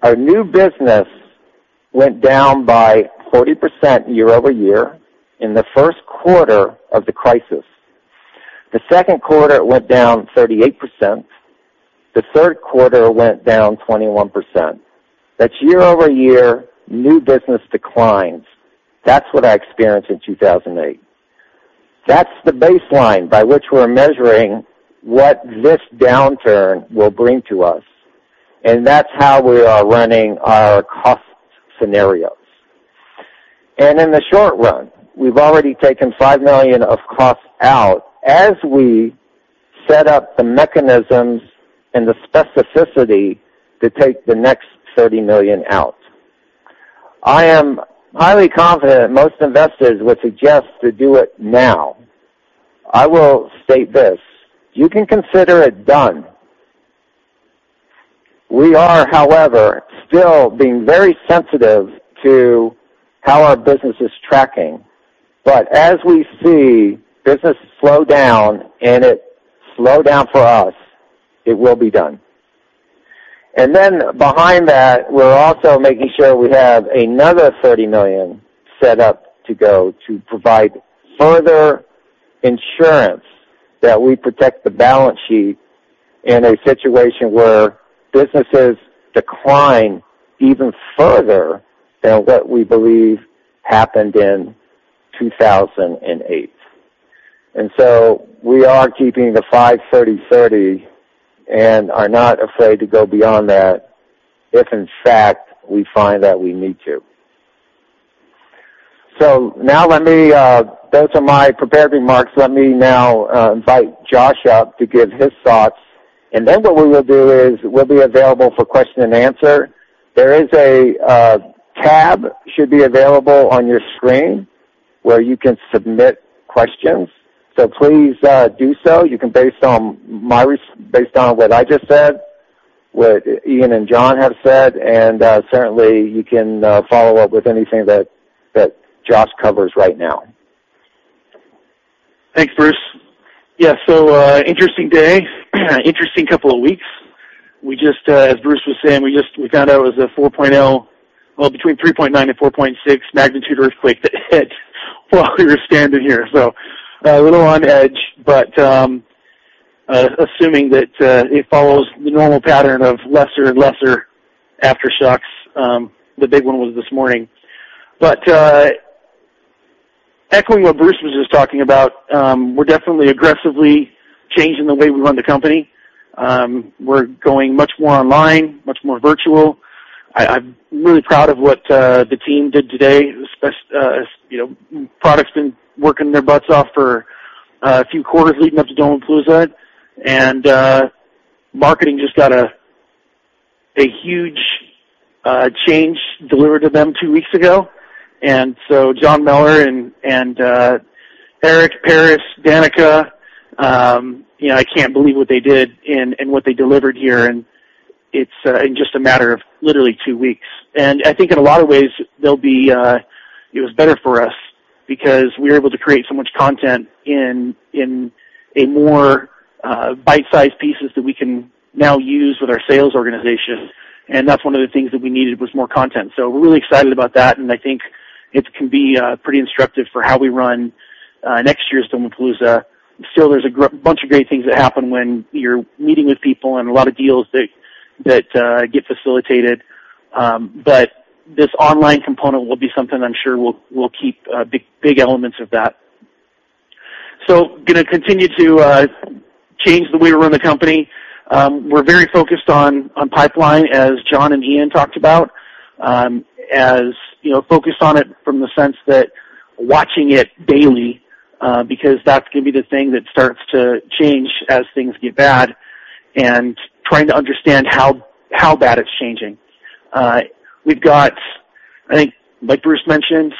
Our new business went down by 40% year-over-year in the first quarter of the crisis. The second quarter, it went down 38%. The third quarter went down 21%. That's year-over-year new business declines. That's what I experienced in 2008. That's the baseline by which we're measuring what this downturn will bring to us, and that's how we are running our cost scenarios. In the short run, we've already taken $5 million of costs out as we set up the mechanisms and the specificity to take the next $30 million out. I am highly confident most investors would suggest to do it now. I will state this. You can consider it done. We are, however, still being very sensitive to how our business is tracking. As we see business slow down and it slow down for us, it will be done. Behind that, we're also making sure we have another $30 million set up to go to provide further insurance that we protect the balance sheet in a situation where businesses decline even further than what we believe happened in 2008. We are keeping the 5/30/30 and are not afraid to go beyond that if, in fact, we find that we need to. Those are my prepared remarks. Let me now invite Josh up to give his thoughts, and then what we will do is we'll be available for question and answer. There is a tab should be available on your screen where you can submit questions. Please do so. You can based on what I just said, what Ian and John have said, and certainly, you can follow up with anything that Josh covers right now. Thanks, Bruce. Yeah. Interesting day, interesting couple of weeks. As Bruce was saying, we found out it was a 4.0, well, between 3.9 and 4.6 magnitude earthquake that hit while we were standing here. A little on edge, but assuming that it follows the normal pattern of lesser and lesser aftershocks. The big one was this morning. Echoing what Bruce was just talking about, we're definitely aggressively changing the way we run the company. We're going much more online, much more virtual. I'm really proud of what the team did today. Product's been working their butts off for a few quarters leading up to Domopalooza, and marketing just got a huge change delivered to them two weeks ago. John Mellor and Eric Paris, Danica, I can't believe what they did and what they delivered here. It's in just a matter of literally two weeks. I think in a lot of ways it was better for us because we were able to create so much content in a more bite-sized pieces that we can now use with our sales organization. That's one of the things that we needed, was more content. We're really excited about that, and I think it can be pretty instructive for how we run next year's Domopalooza. Still, there's a bunch of great things that happen when you're meeting with people and a lot of deals that get facilitated. This online component will be something I'm sure we'll keep big elements of that. Going to continue to change the way we run the company. We're very focused on pipeline, as John and Ian talked about. As focused on it from the sense that watching it daily because that's going to be the thing that starts to change as things get bad and trying to understand how bad it's changing. I think, like Bruce mentioned,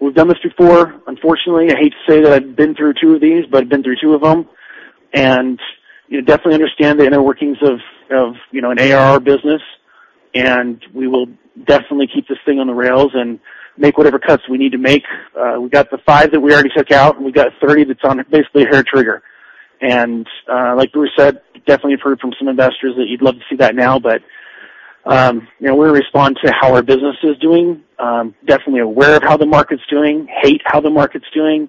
we've done this before. Unfortunately, I hate to say that I've been through two of these, but I've been through two of them, and you definitely understand the inner workings of an ARR business, and we will definitely keep this thing on the rails and make whatever cuts we need to make. We got the five that we already took out, and we got 30 that's on basically a hair trigger. Like Bruce said, definitely have heard from some investors that you'd love to see that now. We respond to how our business is doing. Definitely aware of how the market's doing, hate how the market's doing.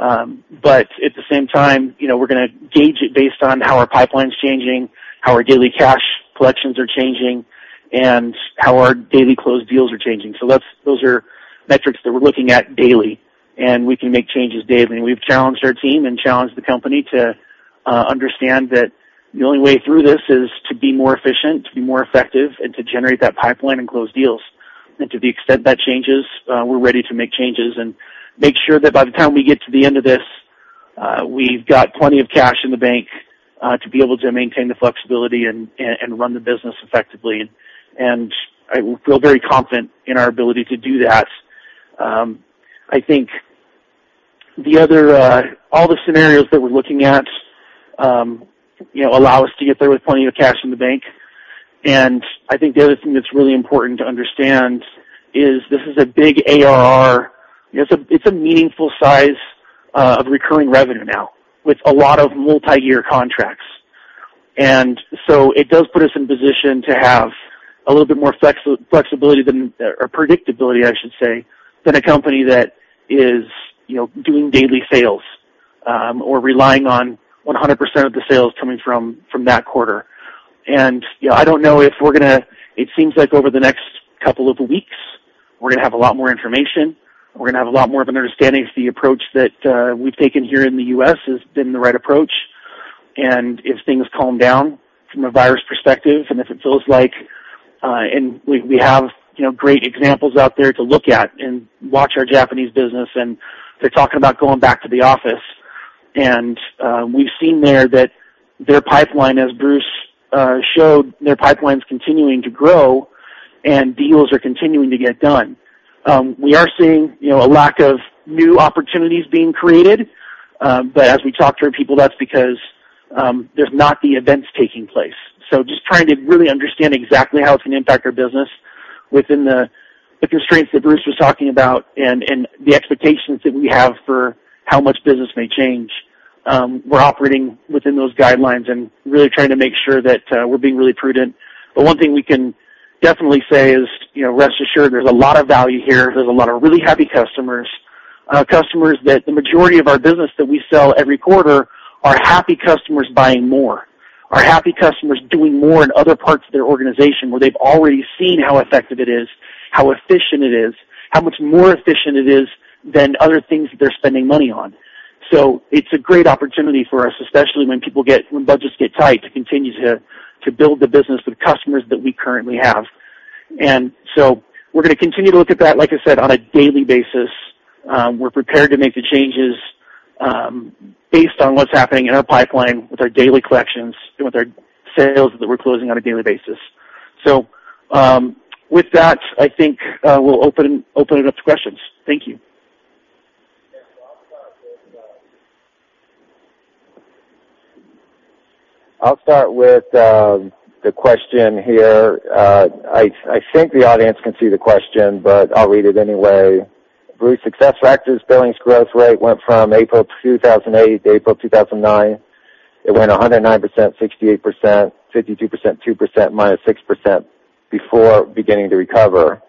At the same time, we're going to gauge it based on how our pipeline's changing, how our daily cash collections are changing, and how our daily closed deals are changing. Those are metrics that we're looking at daily, and we can make changes daily. We've challenged our team and challenged the company to understand that the only way through this is to be more efficient, to be more effective, and to generate that pipeline and close deals. To the extent that changes, we're ready to make changes and make sure that by the time we get to the end of this, we've got plenty of cash in the bank, to be able to maintain the flexibility and run the business effectively. I feel very confident in our ability to do that. I think all the scenarios that we're looking at allow us to get there with plenty of cash in the bank. I think the other thing that's really important to understand is this is a big ARR. It's a meaningful size of recurring revenue now with a lot of multi-year contracts. It does put us in position to have a little bit more flexibility, or predictability, I should say, than a company that is doing daily sales, or relying on 100% of the sales coming from that quarter. I don't know if it seems like over the next couple of weeks, we're going to have a lot more information. We're going to have a lot more of an understanding if the approach that we've taken here in the U.S. has been the right approach, and if things calm down from a virus perspective, and if it feels like, and we have great examples out there to look at and watch our Japanese business, and they're talking about going back to the office. We've seen there that their pipeline, as Bruce showed, their pipeline's continuing to grow and deals are continuing to get done. We are seeing a lack of new opportunities being created. As we talk to our people, that's because there's not the events taking place. Just trying to really understand exactly how it's going to impact our business within the constraints that Bruce was talking about and the expectations that we have for how much business may change. We're operating within those guidelines and really trying to make sure that we're being really prudent. One thing we can definitely say is, rest assured, there's a lot of value here. There's a lot of really happy customers, that the majority of our business that we sell every quarter are happy customers buying more, are happy customers doing more in other parts of their organization where they've already seen how effective it is, how efficient it is, how much more efficient it is than other things that they're spending money on. It's a great opportunity for us, especially when budgets get tight, to continue to build the business with customers that we currently have. We're going to continue to look at that, like I said, on a daily basis. We're prepared to make the changes, based on what's happening in our pipeline with our daily collections and with our sales that we're closing on a daily basis. With that, I think, we'll open it up to questions. Thank you. Yeah. I'll start with the question here. I think the audience can see the question, but I'll read it anyway. Bruce, SuccessFactors billings growth rate went from April 2008 to April 2009. It went 109%, 68%, 52%, 2%, -6% before beginning to recover.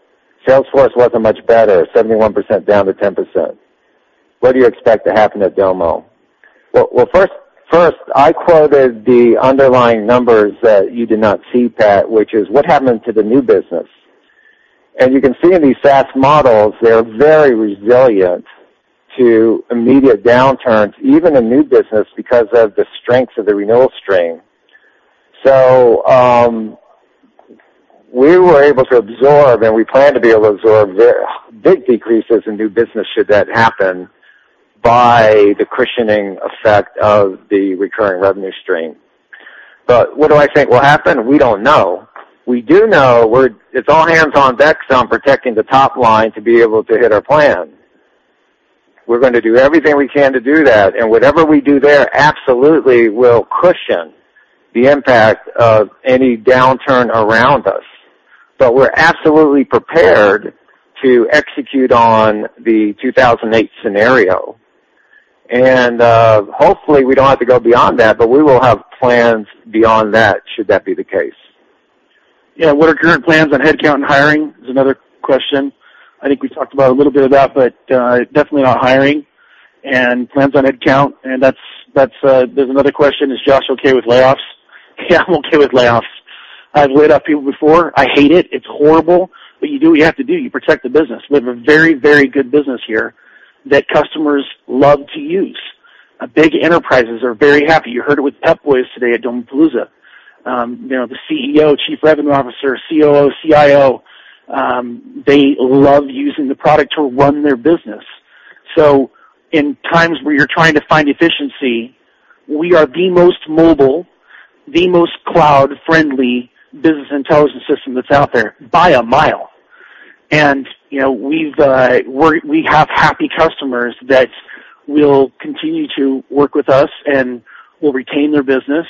Salesforce wasn't much better, 71% down to 10%. What do you expect to happen at Domo? First, I quoted the underlying numbers that you did not see, Pat, which is what happened to the new business. As you can see in these SaaS models, they're very resilient to immediate downturns, even in new business, because of the strength of the renewal stream. We were able to absorb, and we plan to be able to absorb very big decreases in new business should that happen, by the cushioning effect of the recurring revenue stream. What do I think will happen? We don't know. We do know it's all hands on deck on protecting the top line to be able to hit our plan. We're going to do everything we can to do that, and whatever we do there absolutely will cushion the impact of any downturn around us. We're absolutely prepared to execute on the 2008 scenario. Hopefully, we don't have to go beyond that, but we will have plans beyond that, should that be the case. Yeah. What are current plans on headcount and hiring? Is another question. I think we talked about a little bit of that, but, definitely not hiring and plans on headcount. There's another question, is Josh okay with layoffs? Yeah, I'm okay with layoffs. I've laid off people before. I hate it. It's horrible, but you do what you have to do. You protect the business. We have a very good business here that customers love to use. Big enterprises are very happy. You heard it with Pep Boys today at Domopalooza. The CEO, Chief Revenue Officer, COO, CIO, they love using the product to run their business. In times where you're trying to find efficiency, we are the most mobile, the most cloud-friendly business intelligence system that's out there by a mile. We have happy customers that will continue to work with us and will retain their business.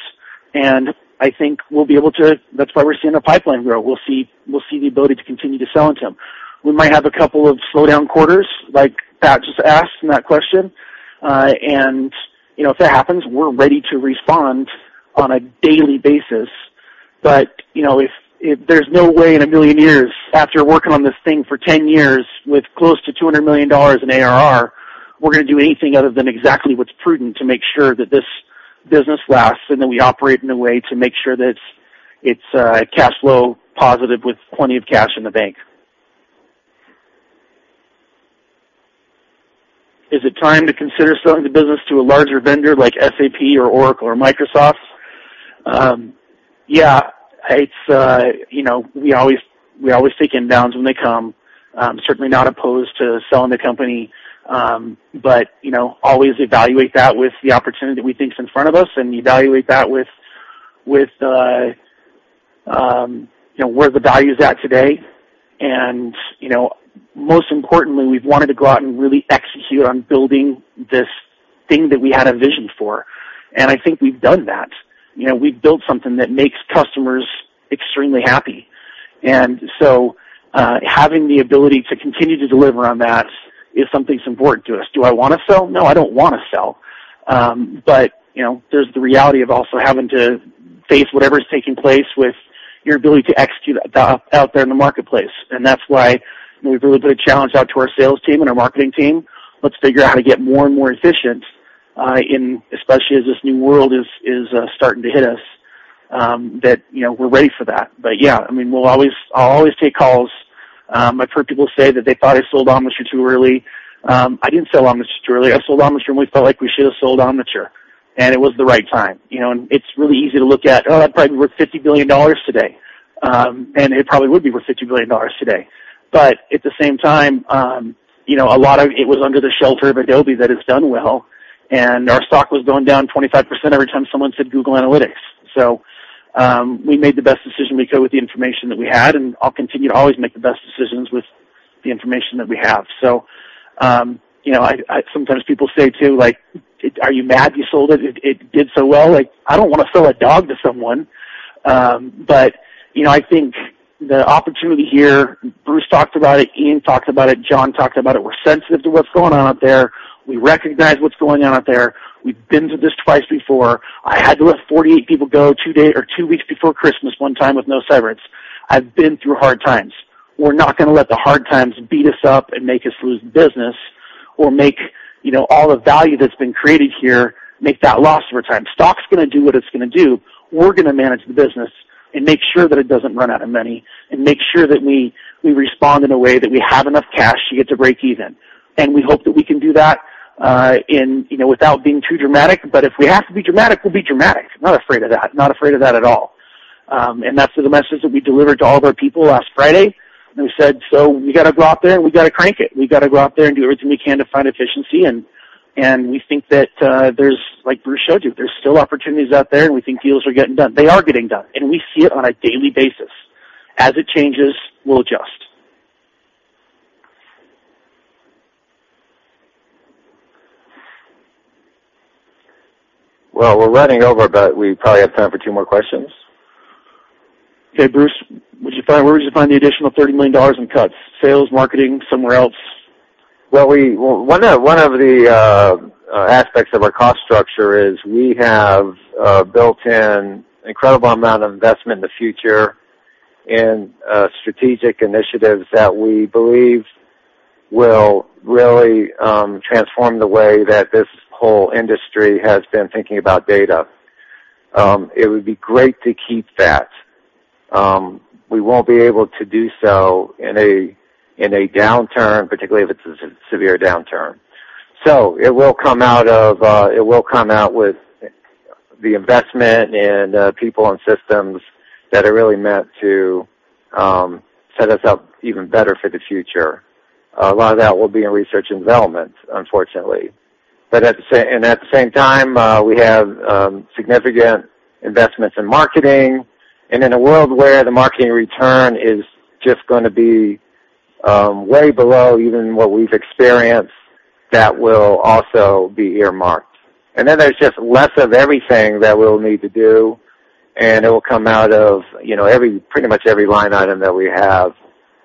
I think that's why we're seeing our pipeline grow. We'll see the ability to continue to sell into them. We might have a couple of slowdown quarters like Pat just asked in that question. If that happens, we're ready to respond on a daily basis. There's no way in a million years after working on this thing for 10 years with close to $200 million in ARR, we're going to do anything other than exactly what's prudent to make sure that this business lasts and that we operate in a way to make sure that it's cash flow positive with plenty of cash in the bank. Is it time to consider selling the business to a larger vendor like SAP or Oracle or Microsoft? Yeah. We always take inbounds when they come. Certainly not opposed to selling the company, but always evaluate that with the opportunity we think is in front of us, and evaluate that with where the value is at today. Most importantly, we've wanted to go out and really execute on building this thing that we had a vision for. I think we've done that. We've built something that makes customers extremely happy. Having the ability to continue to deliver on that is something that's important to us. Do I want to sell? No, I don't want to sell. There's the reality of also having to face whatever's taking place with your ability to execute out there in the marketplace. That's why we've really put a challenge out to our sales team and our marketing team. Let's figure out how to get more and more efficient, especially as this new world is starting to hit us, that we're ready for that. Yeah, I'll always take calls. I've heard people say that they thought I sold Omniture too early. I didn't sell Omniture too early. I sold Omniture when we felt like we should have sold Omniture, and it was the right time. It's really easy to look at, "Oh, that probably be worth $50 billion today." It probably would be worth $50 billion today. At the same time, it was under the shelter of Adobe that it's done well, and our stock was going down 25% every time someone said Google Analytics. We made the best decision we could with the information that we had, and I'll continue to always make the best decisions with the information that we have. Sometimes people say, too, "Are you mad you sold it? It did so well." I don't want to sell a dog to someone. I think the opportunity here, Bruce talked about it, Ian talked about it, John talked about it. We're sensitive to what's going on out there. We recognize what's going on out there. We've been through this twice before. I had to let 48 people go two weeks before Christmas one time with no severance. I've been through hard times. We're not going to let the hard times beat us up and make us lose business or make all the value that's been created here, make that loss over time. Stock's going to do what it's going to do. We're going to manage the business and make sure that it doesn't run out of money, and make sure that we respond in a way that we have enough cash to get to break even. We hope that we can do that without being too dramatic. If we have to be dramatic, we'll be dramatic. I'm not afraid of that. I'm not afraid of that at all. That's the message that we delivered to all of our people last Friday. We said, "We got to go out there, and we got to crank it. We got to go out there and do everything we can to find efficiency." We think that, like Bruce showed you, there's still opportunities out there, and we think deals are getting done. They are getting done, and we see it on a daily basis. As it changes, we'll adjust. We're running over, but we probably have time for two more questions. Okay, Bruce, where would you find the additional $30 million in cuts? Sales, marketing, somewhere else? One of the aspects of our cost structure is we have built in incredible amount of investment in the future in strategic initiatives that we believe will really transform the way that this whole industry has been thinking about data. It would be great to keep that. We won't be able to do so in a downturn, particularly if it's a severe downturn. It will come out with the investment in people and systems that are really meant to set us up even better for the future. A lot of that will be in research and development, unfortunately. At the same time, we have significant investments in marketing. In a world where the marketing return is just going to be way below even what we've experienced, that will also be earmarked. There's just less of everything that we'll need to do, and it will come out of pretty much every line item that we have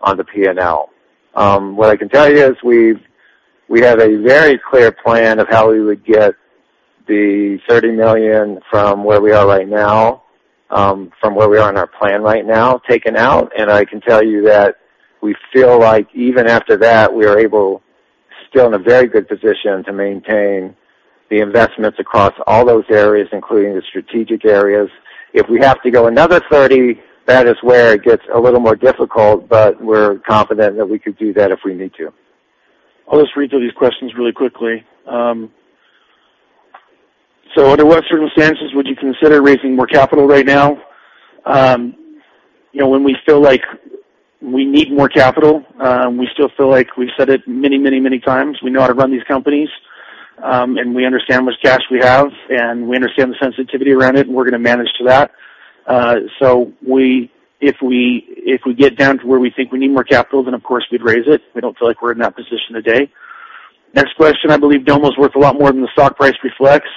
on the P&L. What I can tell you is we have a very clear plan of how we would get the $30 million from where we are right now, from where we are in our plan right now, taken out. I can tell you that we feel like even after that, we are able, still in a very good position to maintain the investments across all those areas, including the strategic areas. If we have to go another $30, that is where it gets a little more difficult, but we're confident that we could do that if we need to. I'll just read through these questions really quickly. Under what circumstances would you consider raising more capital right now? When we feel like we need more capital. We still feel like we've said it many times. We know how to run these companies, and we understand how much cash we have, and we understand the sensitivity around it, and we're going to manage to that. If we get down to where we think we need more capital, then, of course, we'd raise it. We don't feel like we're in that position today. Next question, I believe Domo is worth a lot more than the stock price reflects.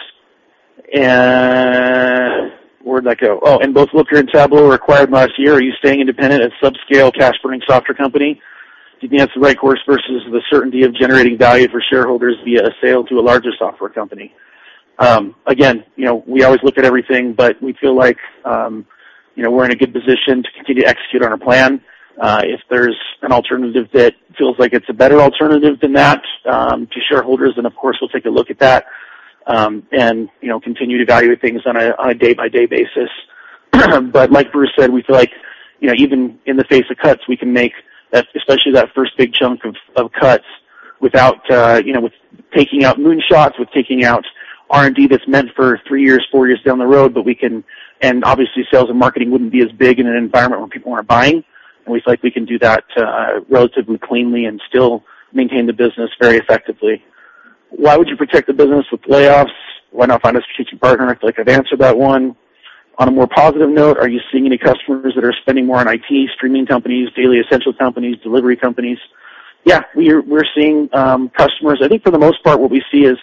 Where'd that go? Both Looker and Tableau were acquired last year. Are you staying independent at subscale cash burning software company? Do you think that's the right course versus the certainty of generating value for shareholders via a sale to a larger software company? We always look at everything. We feel like we're in a good position to continue to execute on our plan. If there's an alternative that feels like it's a better alternative than that to shareholders, then, of course, we'll take a look at that, and continue to evaluate things on a day-by-day basis. Like Bruce said, we feel like even in the face of cuts, we can make, especially that first big chunk of cuts with taking out moonshots, with taking out R&D that's meant for three years, four years down the road. Obviously, sales and marketing wouldn't be as big in an environment where people aren't buying. We feel like we can do that relatively cleanly and still maintain the business very effectively. Why would you protect the business with layoffs? Why not find a strategic partner? I feel like I've answered that one. On a more positive note, are you seeing any customers that are spending more on IT, streaming companies, daily essential companies, delivery companies? Yeah, we're seeing customers. I think for the most part, what we see is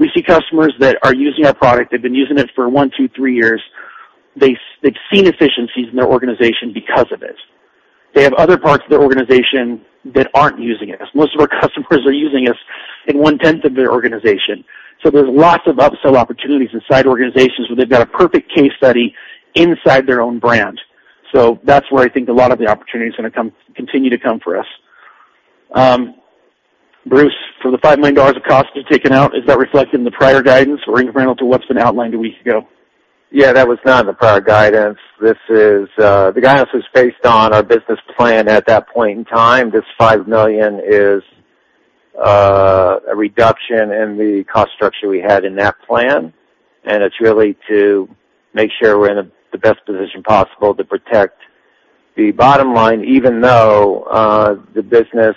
we see customers that are using our product. They've been using it for one, two, three years. They've seen efficiencies in their organization because of it. They have other parts of their organization that aren't using it, as most of our customers are using us in one tenth of their organization. There's lots of upsell opportunities inside organizations where they've got a perfect case study inside their own brand. That's where I think a lot of the opportunity is going to continue to come for us. Bruce, for the $5 million of cost to be taken out, is that reflected in the prior guidance or incremental to what's been outlined a week ago? That was not in the prior guidance. The guidance was based on our business plan at that point in time. This $5 million is a reduction in the cost structure we had in that plan, and it's really to make sure we're in the best position possible to protect the bottom line, even though the business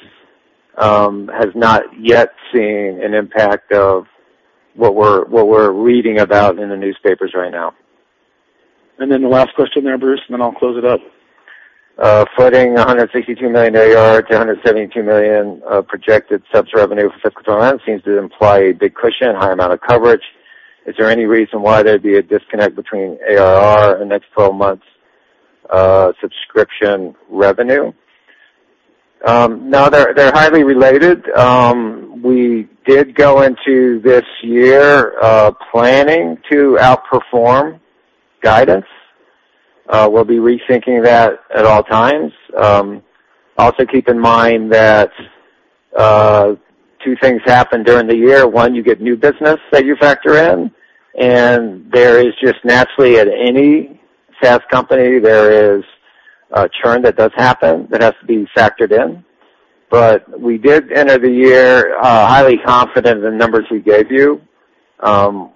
has not yet seen an impact of what we're reading about in the newspapers right now. The last question there, Bruce, and then I'll close it up. Footing $162 million ARR to $172 million projected subs revenue for fiscal 2021 seems to imply a big cushion, high amount of coverage. Is there any reason why there'd be a disconnect between ARR and next 12 months subscription revenue? No, they're highly related. We did go into this year planning to outperform guidance. We'll be rethinking that at all times. Keep in mind that two things happen during the year. One, you get new business that you factor in. There is just naturally, at any SaaS company, there is a churn that does happen that has to be factored in. We did enter the year highly confident in the numbers we gave you.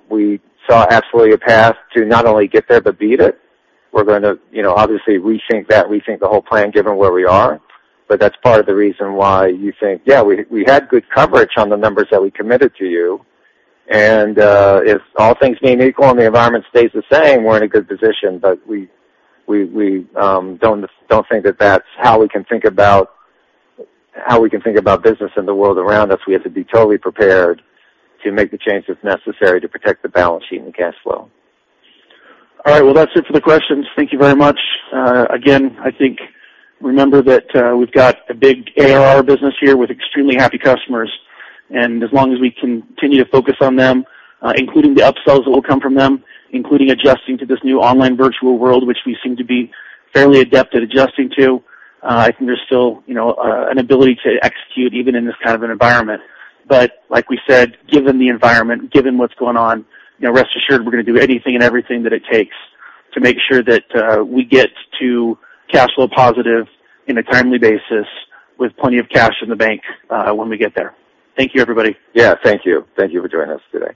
We saw absolutely a path to not only get there but beat it. We're going to obviously rethink that, rethink the whole plan, given where we are. That's part of the reason why you think, yeah, we had good coverage on the numbers that we committed to you, and if all things being equal and the environment stays the same, we're in a good position. We don't think that that's how we can think about business in the world around us. We have to be totally prepared to make the changes necessary to protect the balance sheet and cash flow. All right, well, that's it for the questions. Thank you very much. I think, remember that we've got a big ARR business here with extremely happy customers, and as long as we continue to focus on them, including the upsells that will come from them, including adjusting to this new online virtual world, which we seem to be fairly adept at adjusting to, I think there's still an ability to execute even in this kind of an environment. Like we said, given the environment, given what's going on, rest assured we're going to do anything and everything that it takes to make sure that we get to cash flow positive in a timely basis with plenty of cash in the bank when we get there. Thank you, everybody. Thank you. Thank you for joining us today.